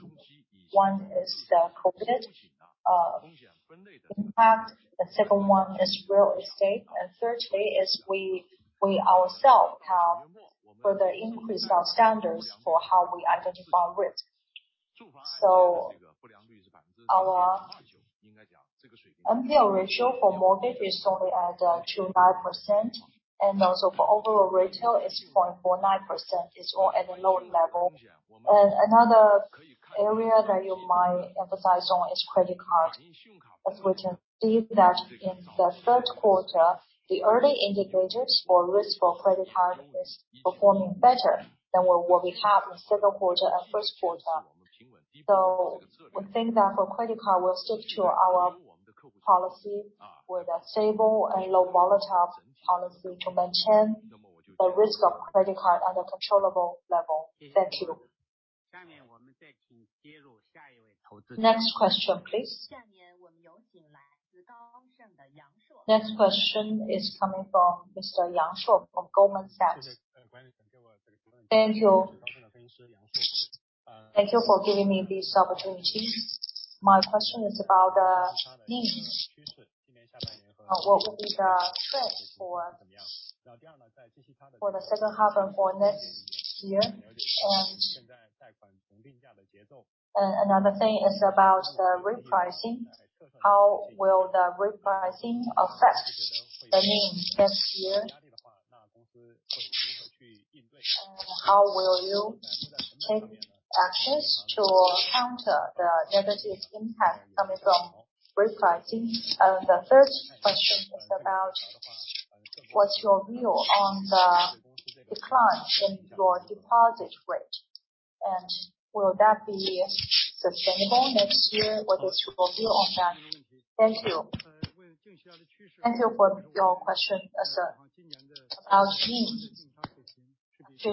one is the COVID impact. The second one is real estate. Thirdly, we ourselves have further increased our standards for how we identify risk. Our NPL ratio for mortgage is only at 2.9%, and also for overall retail is 0.49%. It's all at a low level. Another area that you might emphasize on is credit card, as we can see that in the third quarter, the early indicators for risk for credit card is performing better than what we have in second quarter and first quarter. We think that for credit card, we'll stick to our policy with a stable and low volatile policy to maintain the risk of credit card at a controllable level. Thank you. Next question, please. Next question is coming from Mr. Shuo Yang from Goldman Sachs. Thank you. Thank you for giving me this opportunity. My question is about the NIM. What would be the trend for the second half and for next year? And another thing is about the repricing. How will the repricing affect the NIM next year? And how will you take actions to counter the negative impact coming from repricing. The third question is about what's your view on the decline in your deposit rate, and will that be sustainable next year? What is your view on that? Thank you. Thank you for your question, sir. About NIM.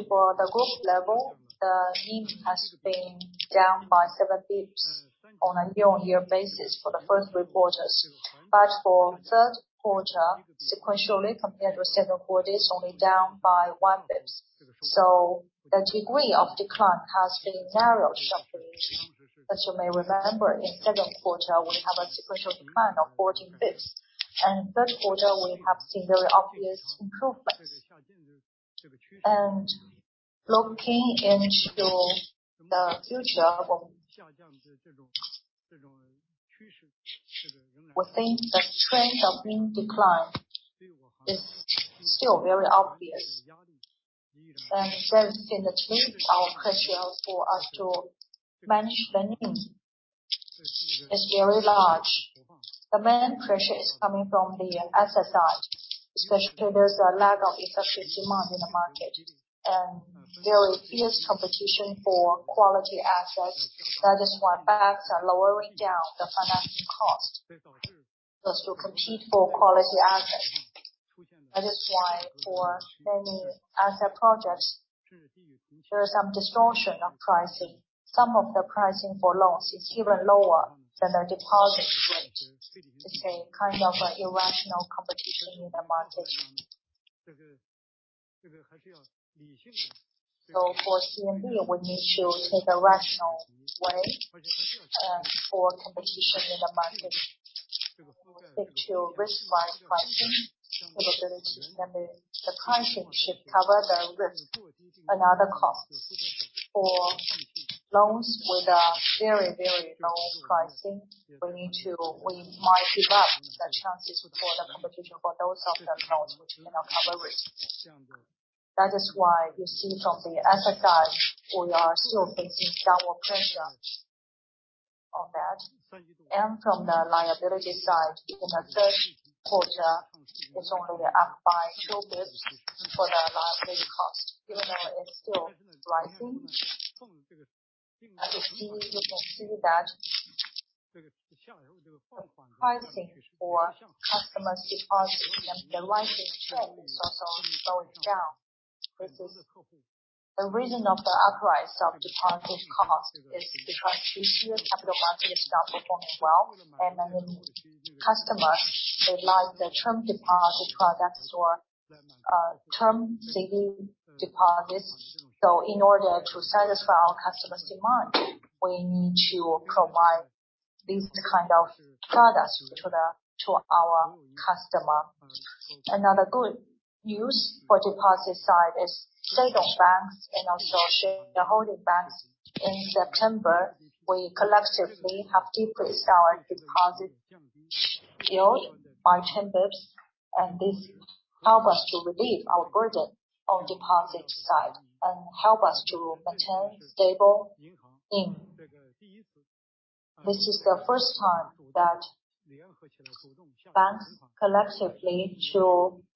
For the group level, the NIM has been down by 7 basis points on a year-over-year basis for the first three quarters. For third quarter, sequentially, compared to second quarter, it's only down by 1 basis point. The degree of decline has been narrowed sharply. As you may remember, in second quarter, we have a sequential decline of 14 basis points. Third quarter, we have seen very obvious improvement. Looking into the future, we think the trend of NIM decline is still very obvious. That's been the trend. Our pressure for us to manage the NIM is very large. The main pressure is coming from the asset side, especially there's a lack of effective demand in the market and very fierce competition for quality assets. That is why banks are lowering down the financing cost just to compete for quality assets. That is why for many asset projects, there's some distortion of pricing. Some of the pricing for loans is even lower than the deposit rate. It's a kind of irrational competition in the market. For CMB, we need to take a rational way for competition in the market. We stick to risk-price pricing capability, and the pricing should cover the risk and other costs. For loans with a very low pricing, we might give up the chances for the competition for those of the loans which may not cover risk. That is why you see from the asset side, we are still facing downward pressure on that. From the liability side, in the third quarter, it's only up by 2 basis points for the liability cost, even though it's still rising. You can see that the pricing for customers' deposits and the rising trend is also slowing down. The reason for the rise of deposit cost is because this year capital markets don't perform well, and many customers, they like the term deposit products or term saving deposits. In order to satisfy our customers' demand, we need to provide these kind of products to our customer. Another good news for deposit side is, certain banks and also the joint-stock banks in September collectively have decreased our deposit yield by 10 basis points, and this help us to relieve our burden on deposit side and help us to maintain stable NIM. This is the first time that banks collectively to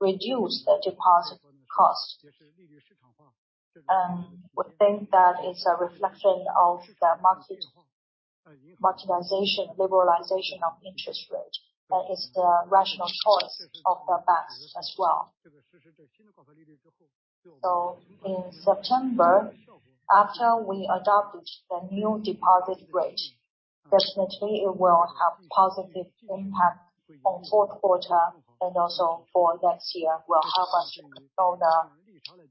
reduce the deposit cost. We think that it's a reflection of the marketization, liberalization of interest rate. That is the rational choice of the banks as well. In September, after we adopted the new deposit rate, definitely it will have positive impact on fourth quarter and also for next year will help us to control the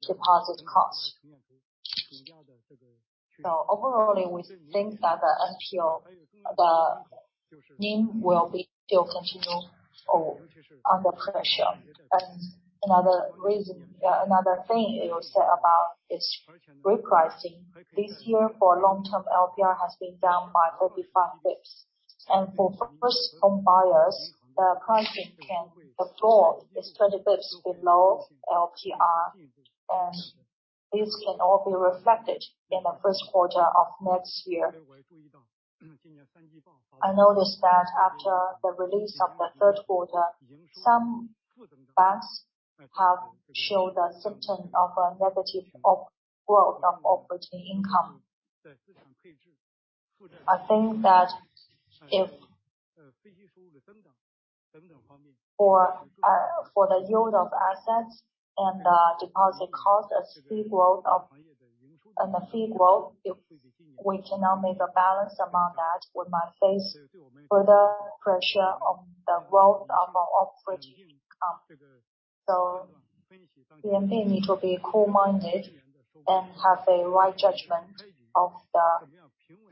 deposit cost. Overall, we think that the NIM will be still continue under pressure. Another thing you said about is repricing. This year for long-term LPR has been down by 45 basis points. For first home buyers, the pricing can afford is 20 basis points below LPR. This can all be reflected in the first quarter of next year. I noticed that after the release of the third quarter, some banks have showed a symptom of negative growth of operating income. I think that if for the yield of assets and the deposit cost has big growth and a big growth, if we cannot make a balance among that, we might face further pressure of the growth of our operating income. CMB need to be cool-headed and have a right judgment of the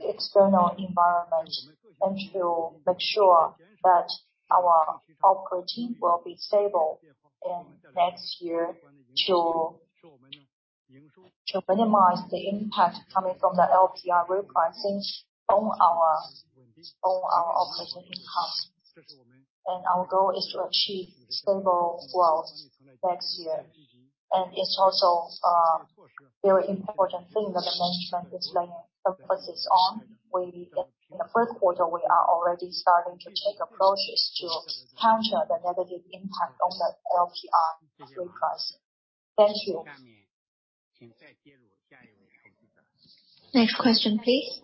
external environment and to make sure that our operations will be stable in next year to minimize the impact coming from the LPR repricing on our operating income. Our goal is to achieve stable growth next year. It's also a very important thing that the management is laying emphasis on. In the first quarter, we are already starting to take approaches to counter the negative impact on the LPR reprice. Thank you. Next question, please.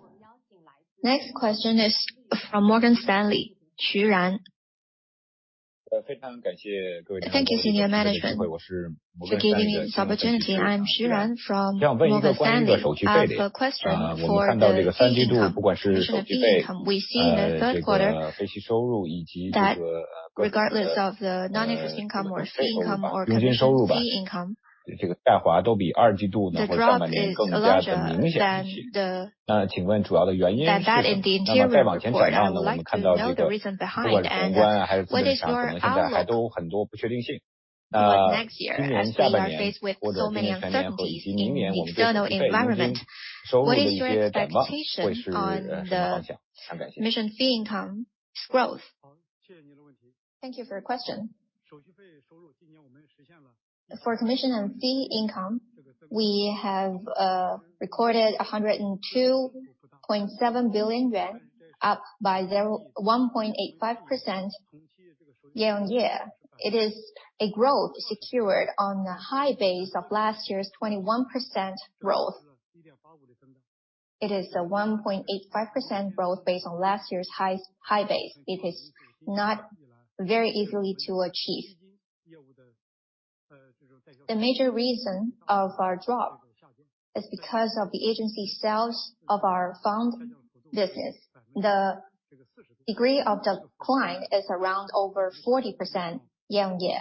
Next question is from Morgan Stanley, Ran Xu. Thank you, Senior Management for giving me this opportunity. I'm Ran Xu from Morgan Stanley. I have a question for the fee income. Commission and fee income. We see in the third quarter that regardless of the non-interest income or fee income or commission fee income, the drop is larger than that in the interim report. I would like to know the reason behind. What is your outlook for next year as we are faced with so many uncertainties in the external environment? What is your expectation on the commission fee income growth? Thank you for your question. For commission and fee income, we have recorded 102.7 billion yuan, up by 1.85% year-on-year. It is a growth secured on the high base of last year's 21% growth. It is a 1.85% growth based on last year's high base. It is not very easy to achieve. The major reason for our drop is because of the agency sales of our fund business. The degree of decline is around over 40% year-on-year.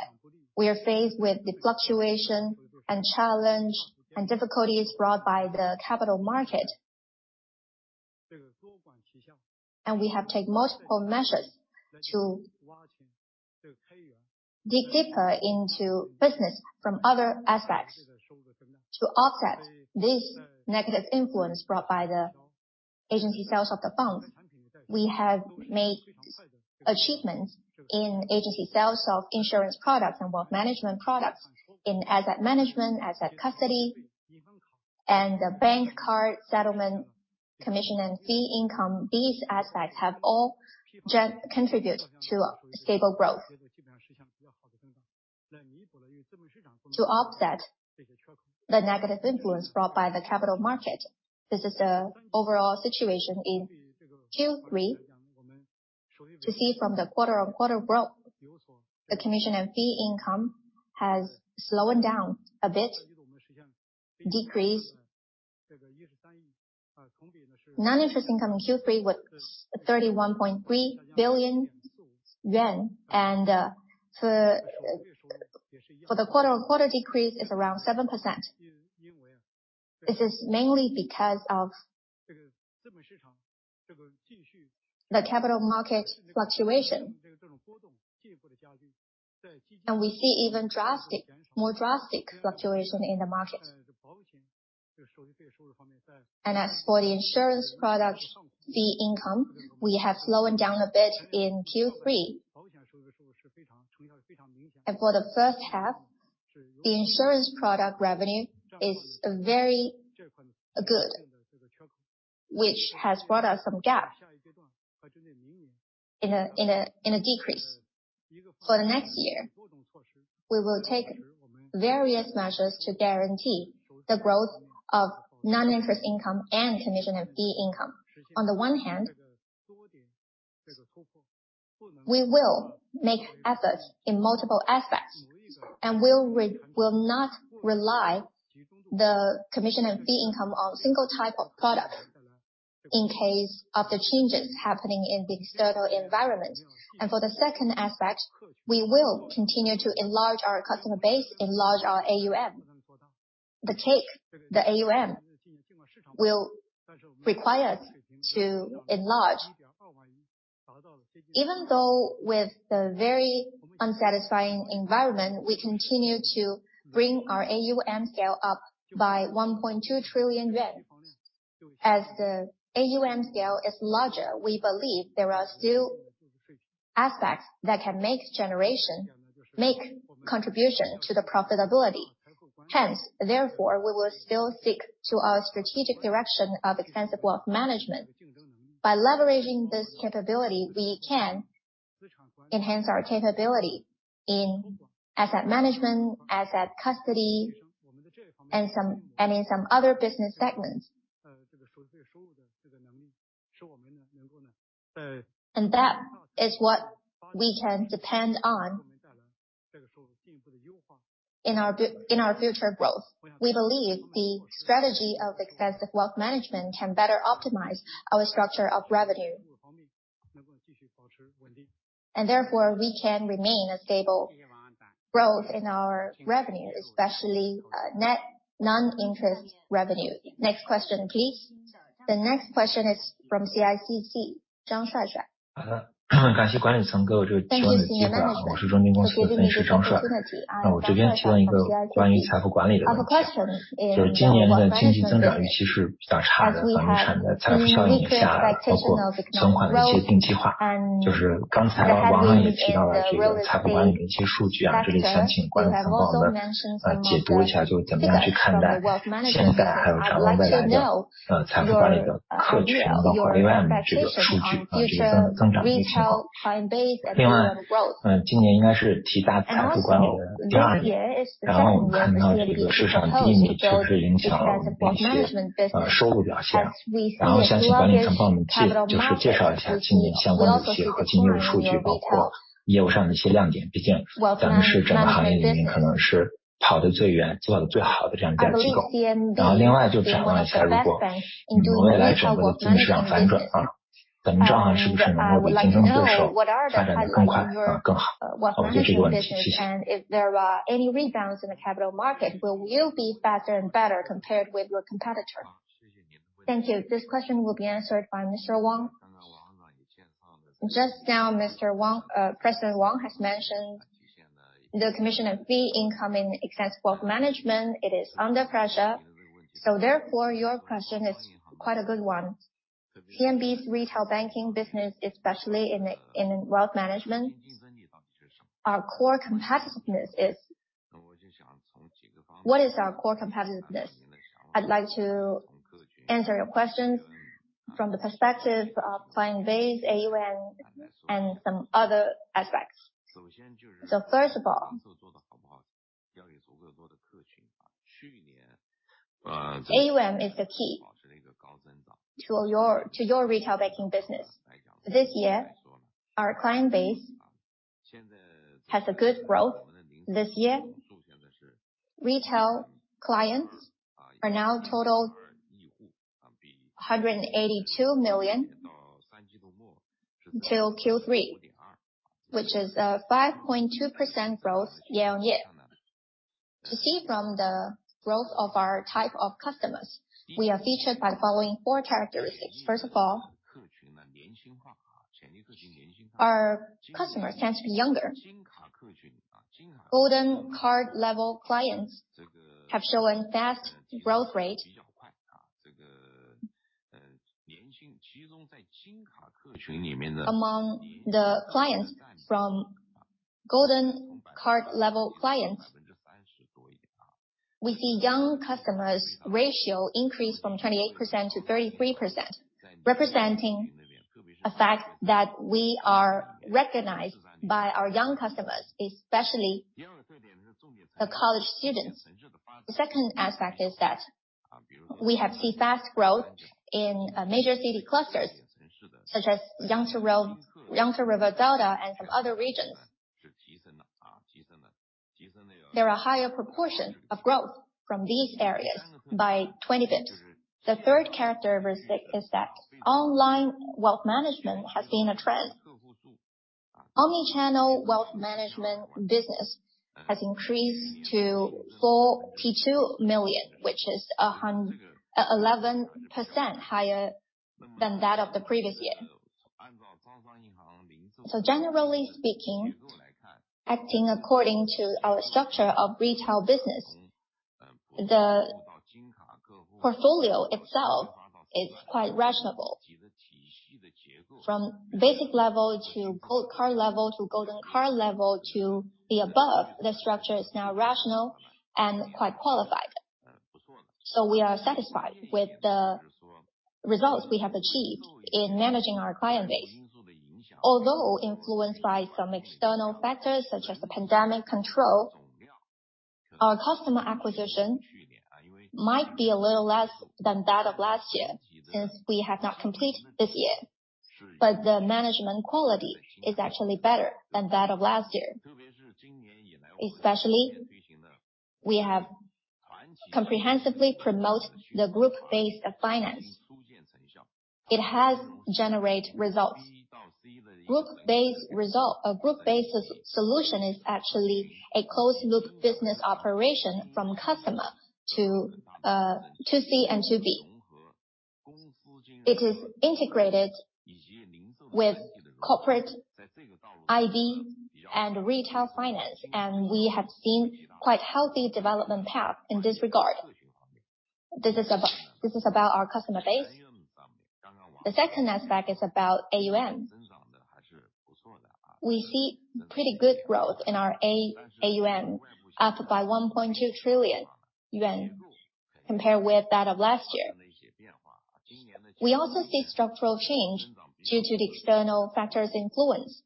We are faced with the fluctuation and challenge and difficulties brought by the capital market. We have taken multiple measures to dig deeper into business from other aspects. To offset this negative influence brought by the agency sales of the funds, we have made achievements in agency sales of insurance products and wealth management products in asset management, asset custody, and the bank card settlement commission and fee income. These aspects have all contribute to a stable growth. To offset the negative influence brought by the capital market. This is the overall situation in Q3. To see from the quarter-on-quarter growth, the commission and fee income has slowed down a bit, decreased. Non-interest income in Q3 was 31.3 billion yuan, for the quarter-on-quarter decrease is around 7%. This is mainly because of the capital market fluctuation. We see even more drastic fluctuation in the market. As for the insurance product fee income, we have slowed down a bit in Q3. For the first half, the insurance product revenue is very good, which has brought us some gap in a decrease. For the next year, we will take various measures to guarantee the growth of non-interest income and commission and fee income. On the one hand, we will make efforts in multiple aspects and will not rely the commission and fee income on single type of product in case of the changes happening in the external environment. For the second aspect, we will continue to enlarge our customer base, enlarge our AUM. The cake, the AUM, will require us to enlarge. Even though with the very unsatisfactory environment, we continue to bring our AUM scale up by 1.2 trillion yuan. As the AUM scale is larger, we believe there are still aspects that can make contribution to the profitability. Hence, therefore, we will still stick to our strategic direction of extensive wealth management. By leveraging this capability, we can enhance our capability in asset management, asset custody, and in some other business segments. That is what we can depend on in our future growth. We believe the strategy of extensive wealth management can better optimize our structure of revenue. Therefore, we can remain stable. Growth in our revenue, especially, net non-interest revenue. Next question, please. The next question is from CICC. Thank you. This question will be answered by Mr. Wang. Just now, Mr. Wang, President Wang has mentioned the commission and fee income especially in wealth management. It is under pressure. Therefore, your question is quite a good one. CMB's retail banking business, especially in wealth management, our core competitiveness is. What is our core competitiveness? I'd like to answer your question from the perspective of client base, AUM, and some other aspects. First of all, AUM is the key to your retail banking business. This year, our client base has a good growth. This year, retail clients now total 182 million till Q3, which is a 5.2% growth year-on-year. To see from the growth of our type of customers, we are featured by following four characteristics. First of all, our customers tend to be younger. Golden card-level clients have shown fast growth rate. Among the clients from golden card-level clients, we see young customers' ratio increased from 28% to 33%, representing a fact that we are recognized by our young customers, especially the college students. The second aspect is that we have seen fast growth in major city clusters such as Yangtze River Delta and some other regions. There are higher proportion of growth from these areas by 20%. The third characteristic is that online wealth management has been a trend. Omnichannel wealth management business has increased to 42 million, which is 11% higher than that of the previous year. Generally speaking, acting according to our structure of retail business, the portfolio itself is quite reasonable. From basic level to gold card level, to golden card level to the above, the structure is now rational and quite qualified. We are satisfied with the results we have achieved in managing our client base. Although influenced by some external factors such as the pandemic control, our customer acquisition might be a little less than that of last year since we have not completed this year, but the management quality is actually better than that of last year. Especially, we have comprehensively promote the group-based finance. It has generate results. A group-based solution is actually a closed-loop business operation from customer to C and to B. It is integrated with corporate ID and retail finance, and we have seen quite healthy development path in this regard. This is about our customer base. The second aspect is about AUM. We see pretty good growth in our AUM, up by 1.2 trillion yuan compared with that of last year. We also see structural change due to the external factors' influence.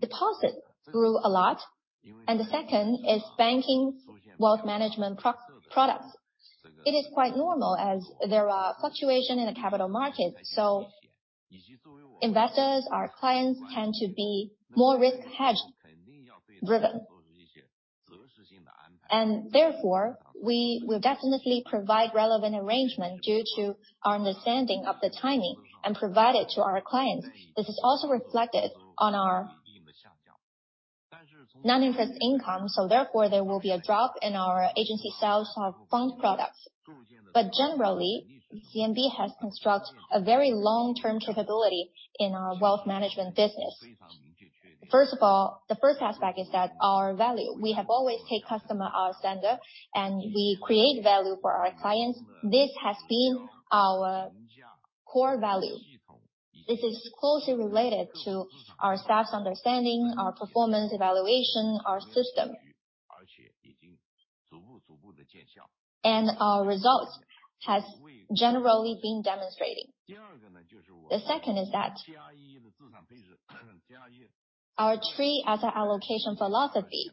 Deposit grew a lot, and the second is banking wealth management products. It is quite normal as there are fluctuations in the capital markets, so investors, our clients, tend to be more risk-hedge driven. Therefore, we will definitely provide relevant arrangement due to our understanding of the timing and provide it to our clients. This is also reflected on our net interest income, so therefore, there will be a drop in our agency sales of fund products. Generally, CMB has constructed a very long-term capability in our wealth management business. First of all, the first aspect is that our values. We have always taken customer-centric, and we create value for our clients. This has been our core value. This is closely related to our staff's understanding, our performance evaluation, our system. Our results have generally been demonstrating. The second is that our TREE as an allocation philosophy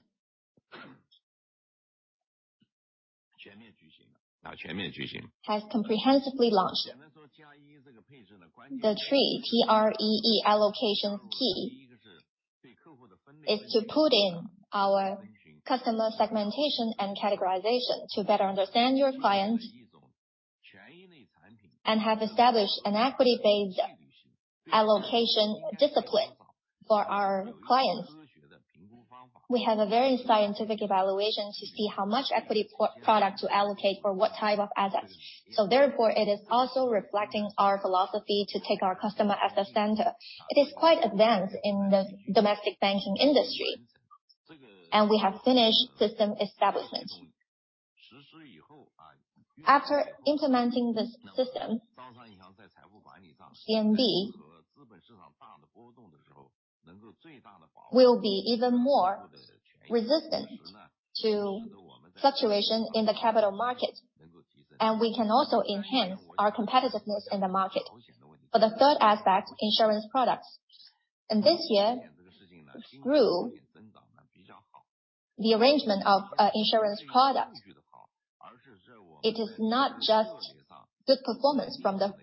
has comprehensively launched. The TREE, T-R-E-E allocation key is to put in our customer segmentation and categorization to better understand your clients and have established an equity-based allocation discipline for our clients. We have a very scientific evaluation to see how much equity product to allocate for what type of assets. Therefore, it is also reflecting our philosophy to take our customer at the center. It is quite advanced in the domestic banking industry, and we have finished system establishment. After implementing this system, CMB will be even more resistant to fluctuation in the capital market, and we can also enhance our competitiveness in the market. For the third aspect, insurance products. In this year, through the arrangement of insurance products, it is not just good performance from the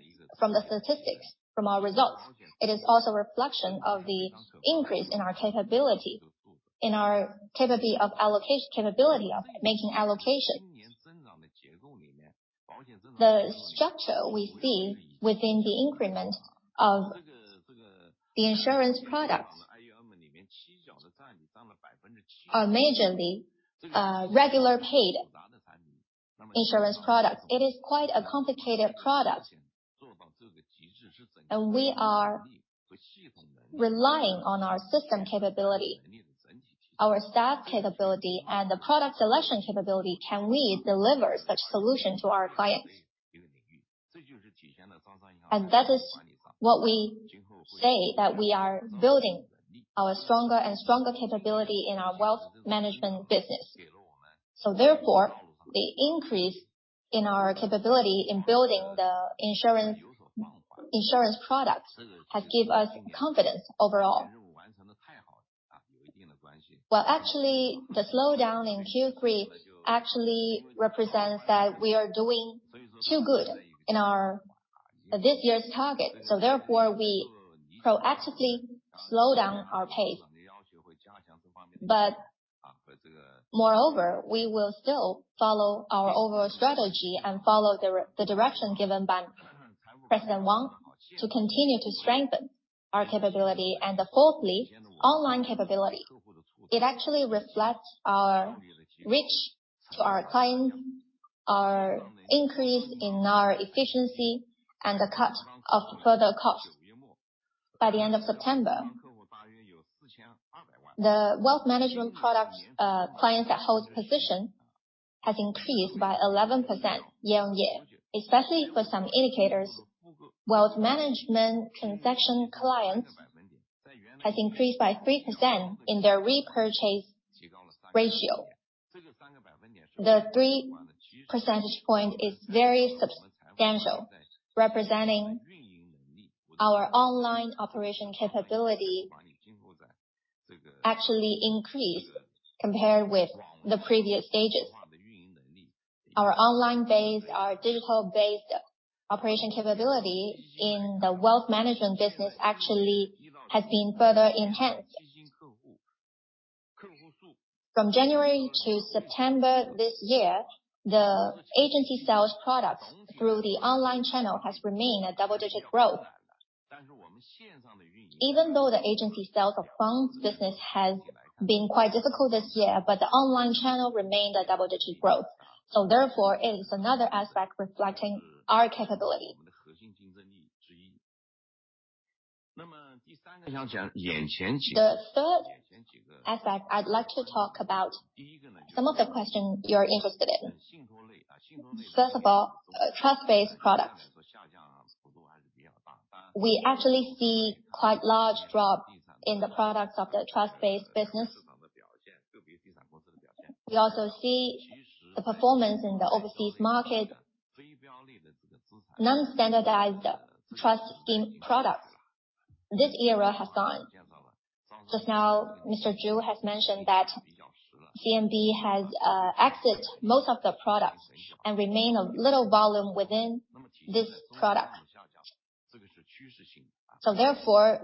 statistics, from our results. It is also a reflection of the increase in our capability of making allocation. The structure we see within the increment of the insurance products are mainly regular paid insurance products. It is quite a complicated product. We are relying on our system capability, our staff capability, and the product selection capability by which we can deliver such solution to our clients. That is what we say that we are building our stronger and stronger capability in our wealth management business. The increase in our capability in building the insurance products has given us confidence overall. Well, actually, the slowdown in Q3 actually represents that we are doing too well on this year's target. We proactively slow down our pace. Moreover, we will still follow our overall strategy and follow the direction given by President Wang to continue to strengthen our capability. Fourthly, online capability. It actually reflects our reach to our clients, our increase in our efficiency, and the cut of further costs. By the end of September, the wealth management product clients that holds position has increased by 11% year-on-year, especially for some indicators. Wealth management transaction clients has increased by 3% in their repurchase ratio. The 3 percentage point is very substantial, representing our online operation capability actually increased compared with the previous stages. Our online-based, our digital-based operation capability in the wealth management business actually has been further enhanced. From January to September this year, the agency sales product through the online channel has remained a double-digit growth. Even though the agency sales of funds business has been quite difficult this year, but the online channel remained a double-digit growth. Therefore, it is another aspect reflecting our capability. The third aspect I'd like to talk about some of the questions you're interested in. First of all, trust-based products. We actually see quite large drop in the products of the trust-based business. We also see the performance in the overseas market. Non-standardized trust scheme products. This era has gone. Just now, Mr. Zhu has mentioned that CMB has exited most of the products and remained a little volume within this product. Therefore,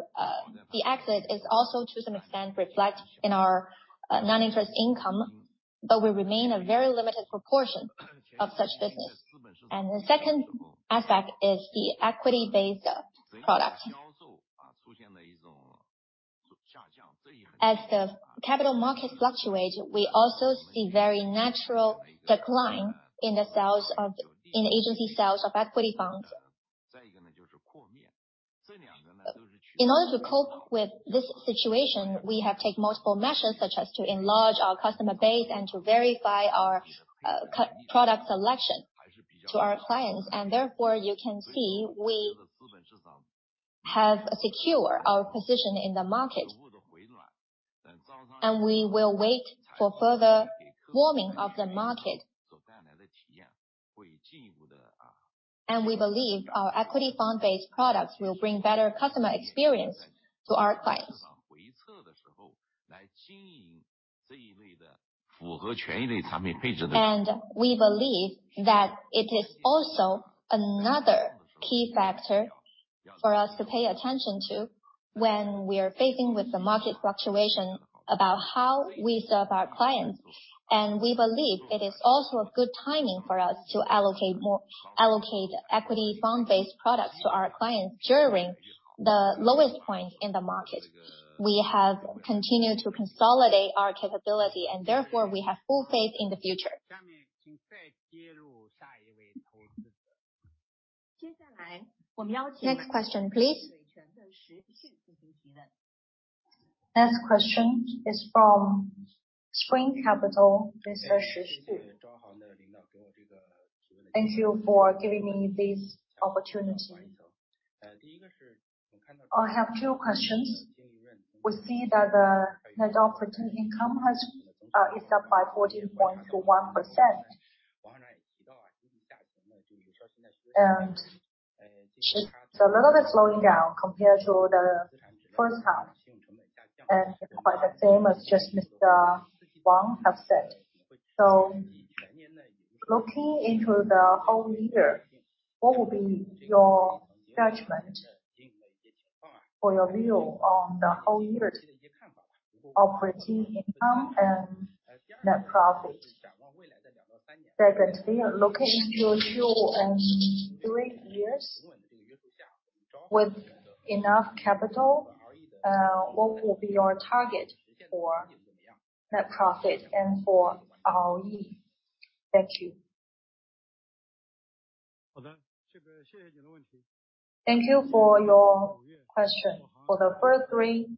the exit is also to some extent reflect in our non-interest income, but will remain a very limited proportion of such business. The second aspect is the equity-based product. As the capital markets fluctuate, we also see very natural decline in agency sales of equity funds. In order to cope with this situation, we have take multiple measures, such as to enlarge our customer base and to verify our product selection to our clients. Therefore, you can see we have secure our position in the market. We will wait for further warming of the market. We believe our equity fund-based products will bring better customer experience to our clients. We believe that it is also another key factor for us to pay attention to when we are facing with the market fluctuation about how we serve our clients. We believe it is also a good timing for us to allocate equity fund-based products to our clients during the lowest point in the market. We have continued to consolidate our capability, and therefore we have full faith in the future. Next question, please. Next question is from Spring Capital. Thank you for giving me this opportunity. I have two questions. We see that the net operating income has is up by 14.1%. It's a little bit slowing down compared to the first half, and quite the same as just Mr. Wang has said. Looking into the whole year, what will be your judgment or your view on the whole year's operating income and net profit? Second thing, looking into two and three years with enough capital, what will be your target for net profit and for ROE? Thank you. Thank you for your question. For the first three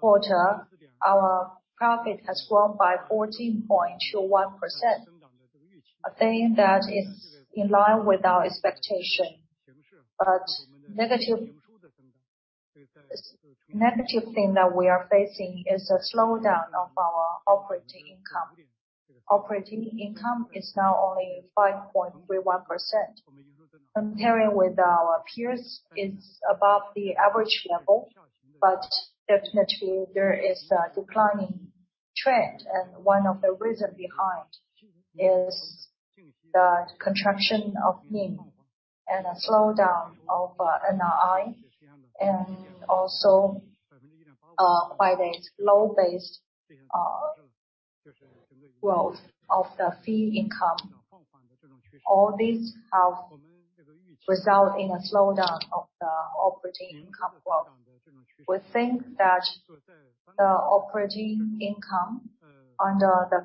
quarters, our profit has grown by 14.1%. I think that is in line with our expectation. Negative thing that we are facing is a slowdown of our operating income. Operating income is now only 5.31%. Comparing with our peers is above the average level, but definitely there is a declining trend, and one of the reason behind is the contraction of NIM and a slowdown of NII, and also, by the low base, growth of the fee income. All these have result in a slowdown of the operating income growth. We think that the operating income under the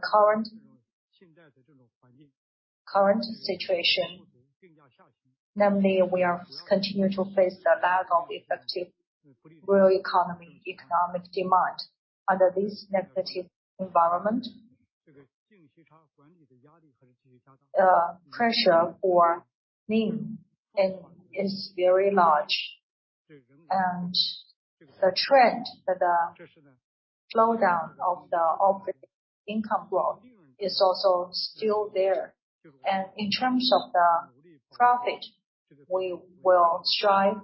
current situation, namely, we are continue to face the lack of effective real economy, economic demand. Under this negative environment, the pressure for NIM is very large. The trend, the slowdown of the operating income growth is also still there. In terms of the profit, we will strive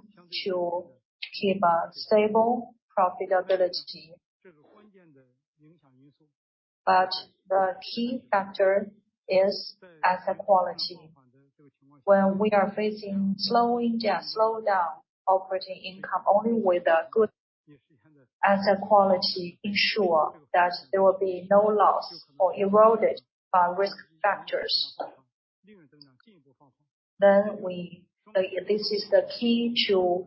to keep a stable profitability. The key factor is asset quality. When we are facing a slowdown in operating income, only with a good asset quality we ensure that there will be no loss or be eroded by risk factors. This is the key to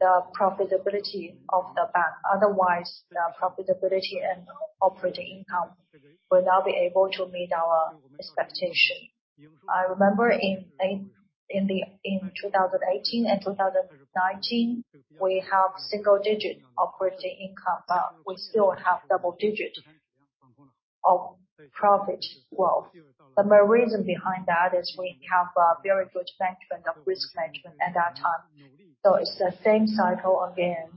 the profitability of the bank. Otherwise, the profitability and operating income will not be able to meet our expectation. I remember in 2018 and 2019, we have single-digit operating income, but we still have double-digit profit growth. The main reason behind that is we have a very good risk management at that time. It's the same cycle again.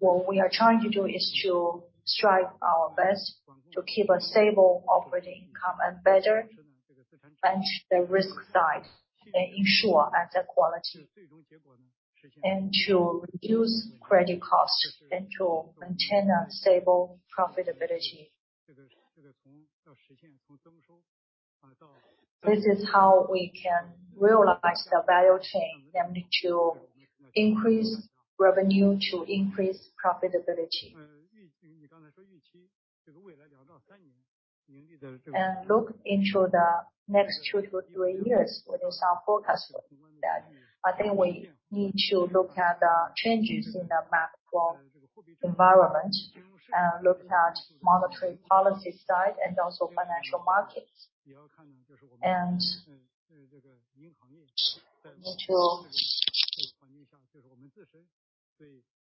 What we are trying to do is to strive our best to keep a stable operating income and better manage the risk side and ensure asset quality, and to reduce credit costs and to maintain a stable profitability. This is how we can realize the value chain, namely to increase revenue, to increase profitability. Look into the next two to three years with some forecast like that. I think we need to look at the changes in the macro environment and look at monetary policy side and also financial markets. We need to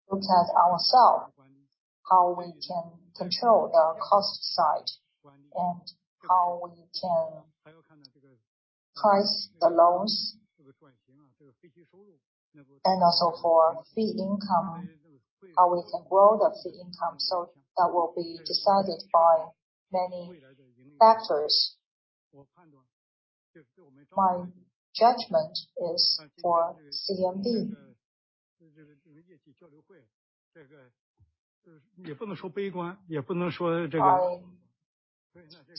look at ourselves, how we can control the cost side and how we can price the loans. Also for fee income, how we can grow the fee income. That will be decided by many factors. My judgment is for CMB. I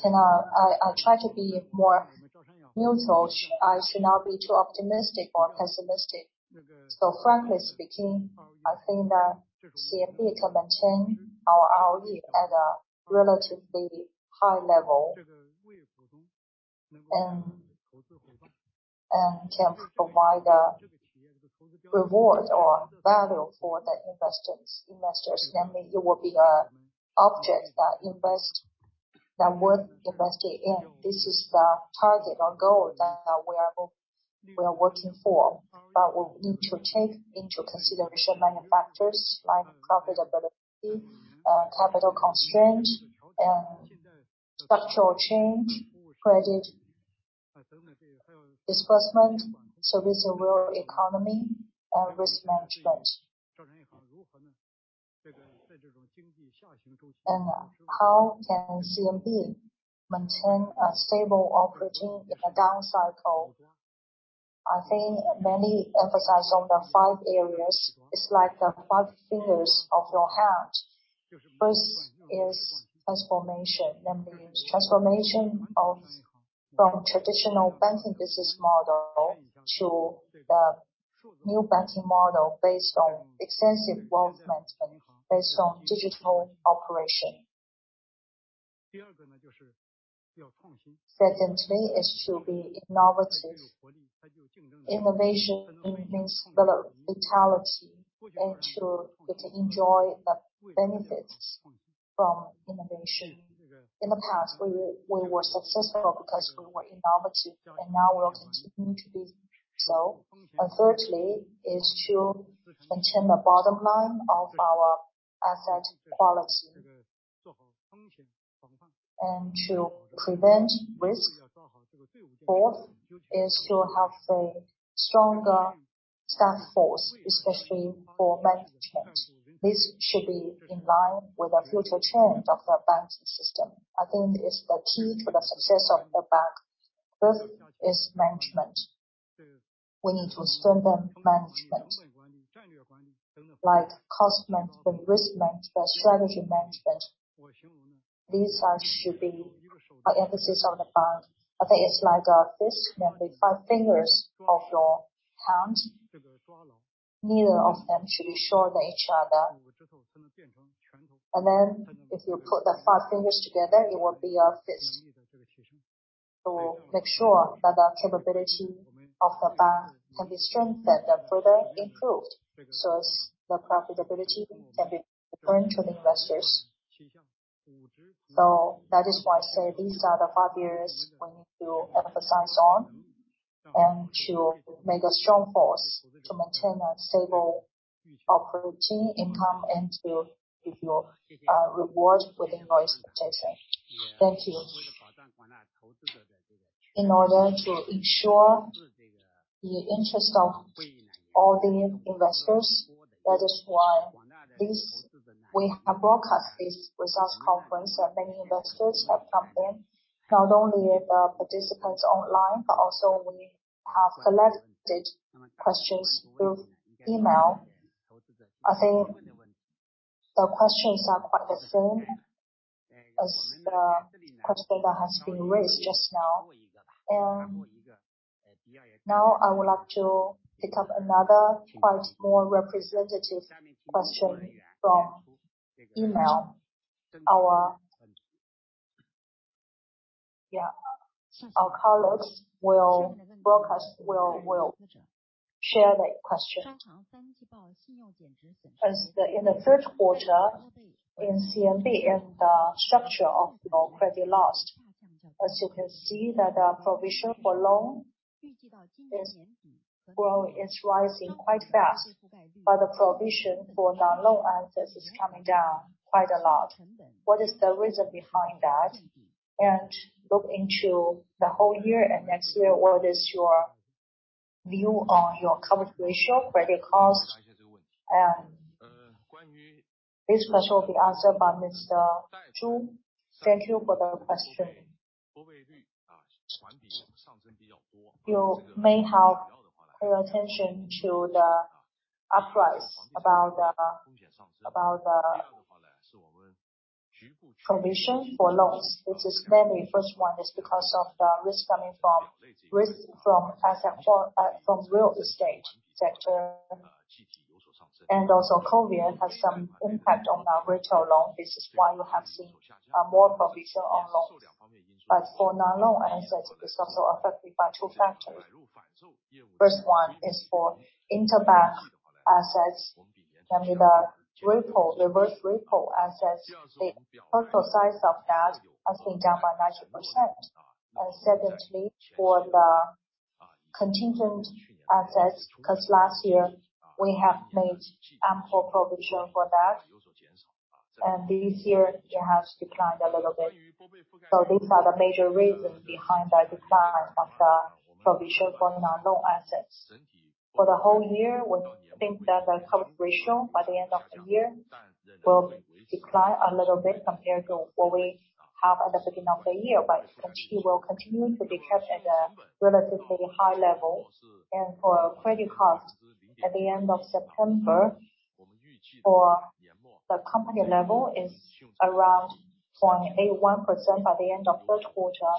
can, I try to be more neutral. I should not be too optimistic or pessimistic. Frankly speaking, I think that CMB can maintain our ROE at a relatively high level, and can provide the reward or value for the investors. Namely, it will be an object that worth investing in. This is the target or goal that we are working for. We need to take into consideration many factors like profitability, capital constraint, and structural change, credit disbursement, serving the real economy, and risk management. How can CMB maintain stable operations in a down cycle? I think many emphasize on the five areas. It's like the five fingers of your hand. First is transformation. Namely, transformation from traditional banking business model to the new banking model based on extensive wealth management, based on digital operation. Secondly is to be innovative. Innovation means vigor, vitality, and you can enjoy the benefits from innovation. In the past, we were successful because we were innovative, and now we also need to be so. Thirdly is to maintain the bottom line of our asset quality and to prevent risk. Fourth is to have a stronger staff force, especially for bank change. This should be in line with the future change of the banking system. I think it's the key to the success of the bank. Fifth is management. We need to strengthen management, like cost management, risk management, strategy management. These should be our emphasis on the bank. I think it's like a fist, namely five fingers of your hand. Neither of them should be shorter than each other. Then if you put the five fingers together, it will be a fist. To make sure that the capability of the bank can be strengthened and further improved, so as the profitability can be returned to the investors. That is why I say these are the five areas we need to emphasize on and to make a strong force to maintain a stable operating income and to give your reward within your expectation. Thank you. In order to ensure the interest of all the investors, that is why we have broadcast this results conference, and many investors have come in. Not only the participants online, but also we have collected questions through email. I think the questions are quite the same as the question that has been raised just now. Now I would like to pick up another quite more representative question from email. Our colleagues will share the question. In the third quarter in CMB, in the structure of your credit loss, as you can see that the provision for loan is rising quite fast. The provision for the loan assets is coming down quite a lot. What is the reason behind that? Look into the whole year and next year, what is your view on your coverage ratio, credit cost? This question will be answered by Mr. Zhu. Thank you for the question. You may have paid attention to the rise in the provision for loans. This is mainly. First one is because of the risk from assets from the real estate sector. Also COVID has some impact on our retail loan. This is why you have seen more provision on loans. For non-loan assets, it is also affected by two factors. First one is for interbank assets, namely the reverse repo assets. The total size of that has been down by 90%. Secondly, for the contingent assets, because last year we have made ample provision for that, and this year it has declined a little bit. These are the major reasons behind the decline of the provision for non-loan assets. For the whole year, we think that the coverage ratio by the end of the year will decline a little bit compared to what we have at the beginning of the year. It will continue to be kept at a relatively high level. For credit cost, at the end of September for the company level is around 0.81% by the end of third quarter.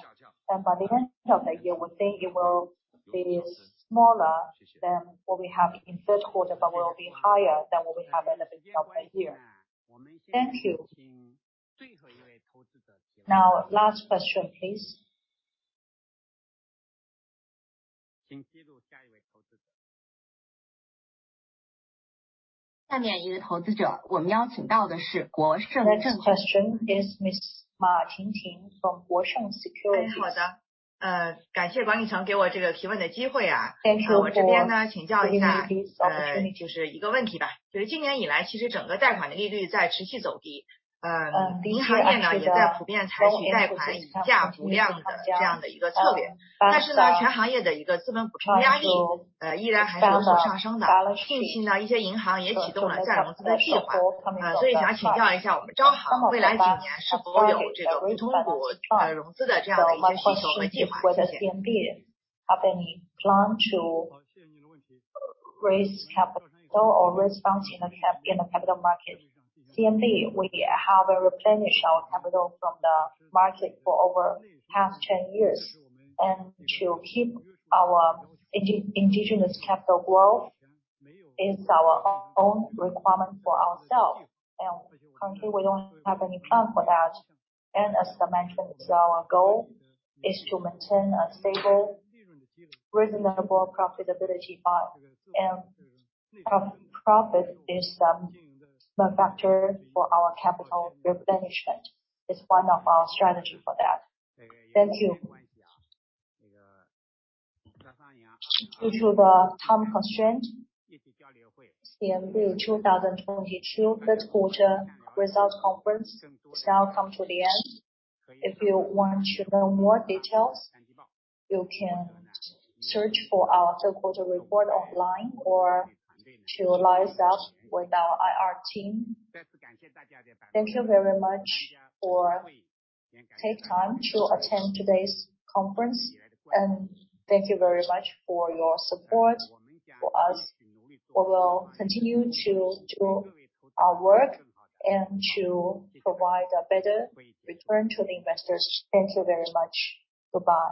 By the end of the year, we think it will be smaller than what we have in third quarter, but will be higher than what we have at the beginning of the year. Thank you. Now, last question, please. Next question is Miss Ma Tingting from Guosheng Securities. Thank you for giving me this opportunity. Have any plan to raise capital or raise funds in the capital market? CMB, we have replenished our capital from the market for over the past 10 years. To keep our indigenous capital growth is our own requirement for ourselves. Currently, we don't have any plan for that. As I mentioned, our goal is to maintain a stable, reasonable profitability. Profit is the factor for our capital replenishment. It's one of our strategy for that. Thank you. Due to the time constraint, CMB 2022 third quarter results conference has now come to the end. If you want to know more details, you can search for our third quarter report online or to liaise with our IR team. Thank you very much for taking time to attend today's conference, and thank you very much for your support for us. We will continue to do our work and to provide a better return to the investors. Thank you very much. Goodbye.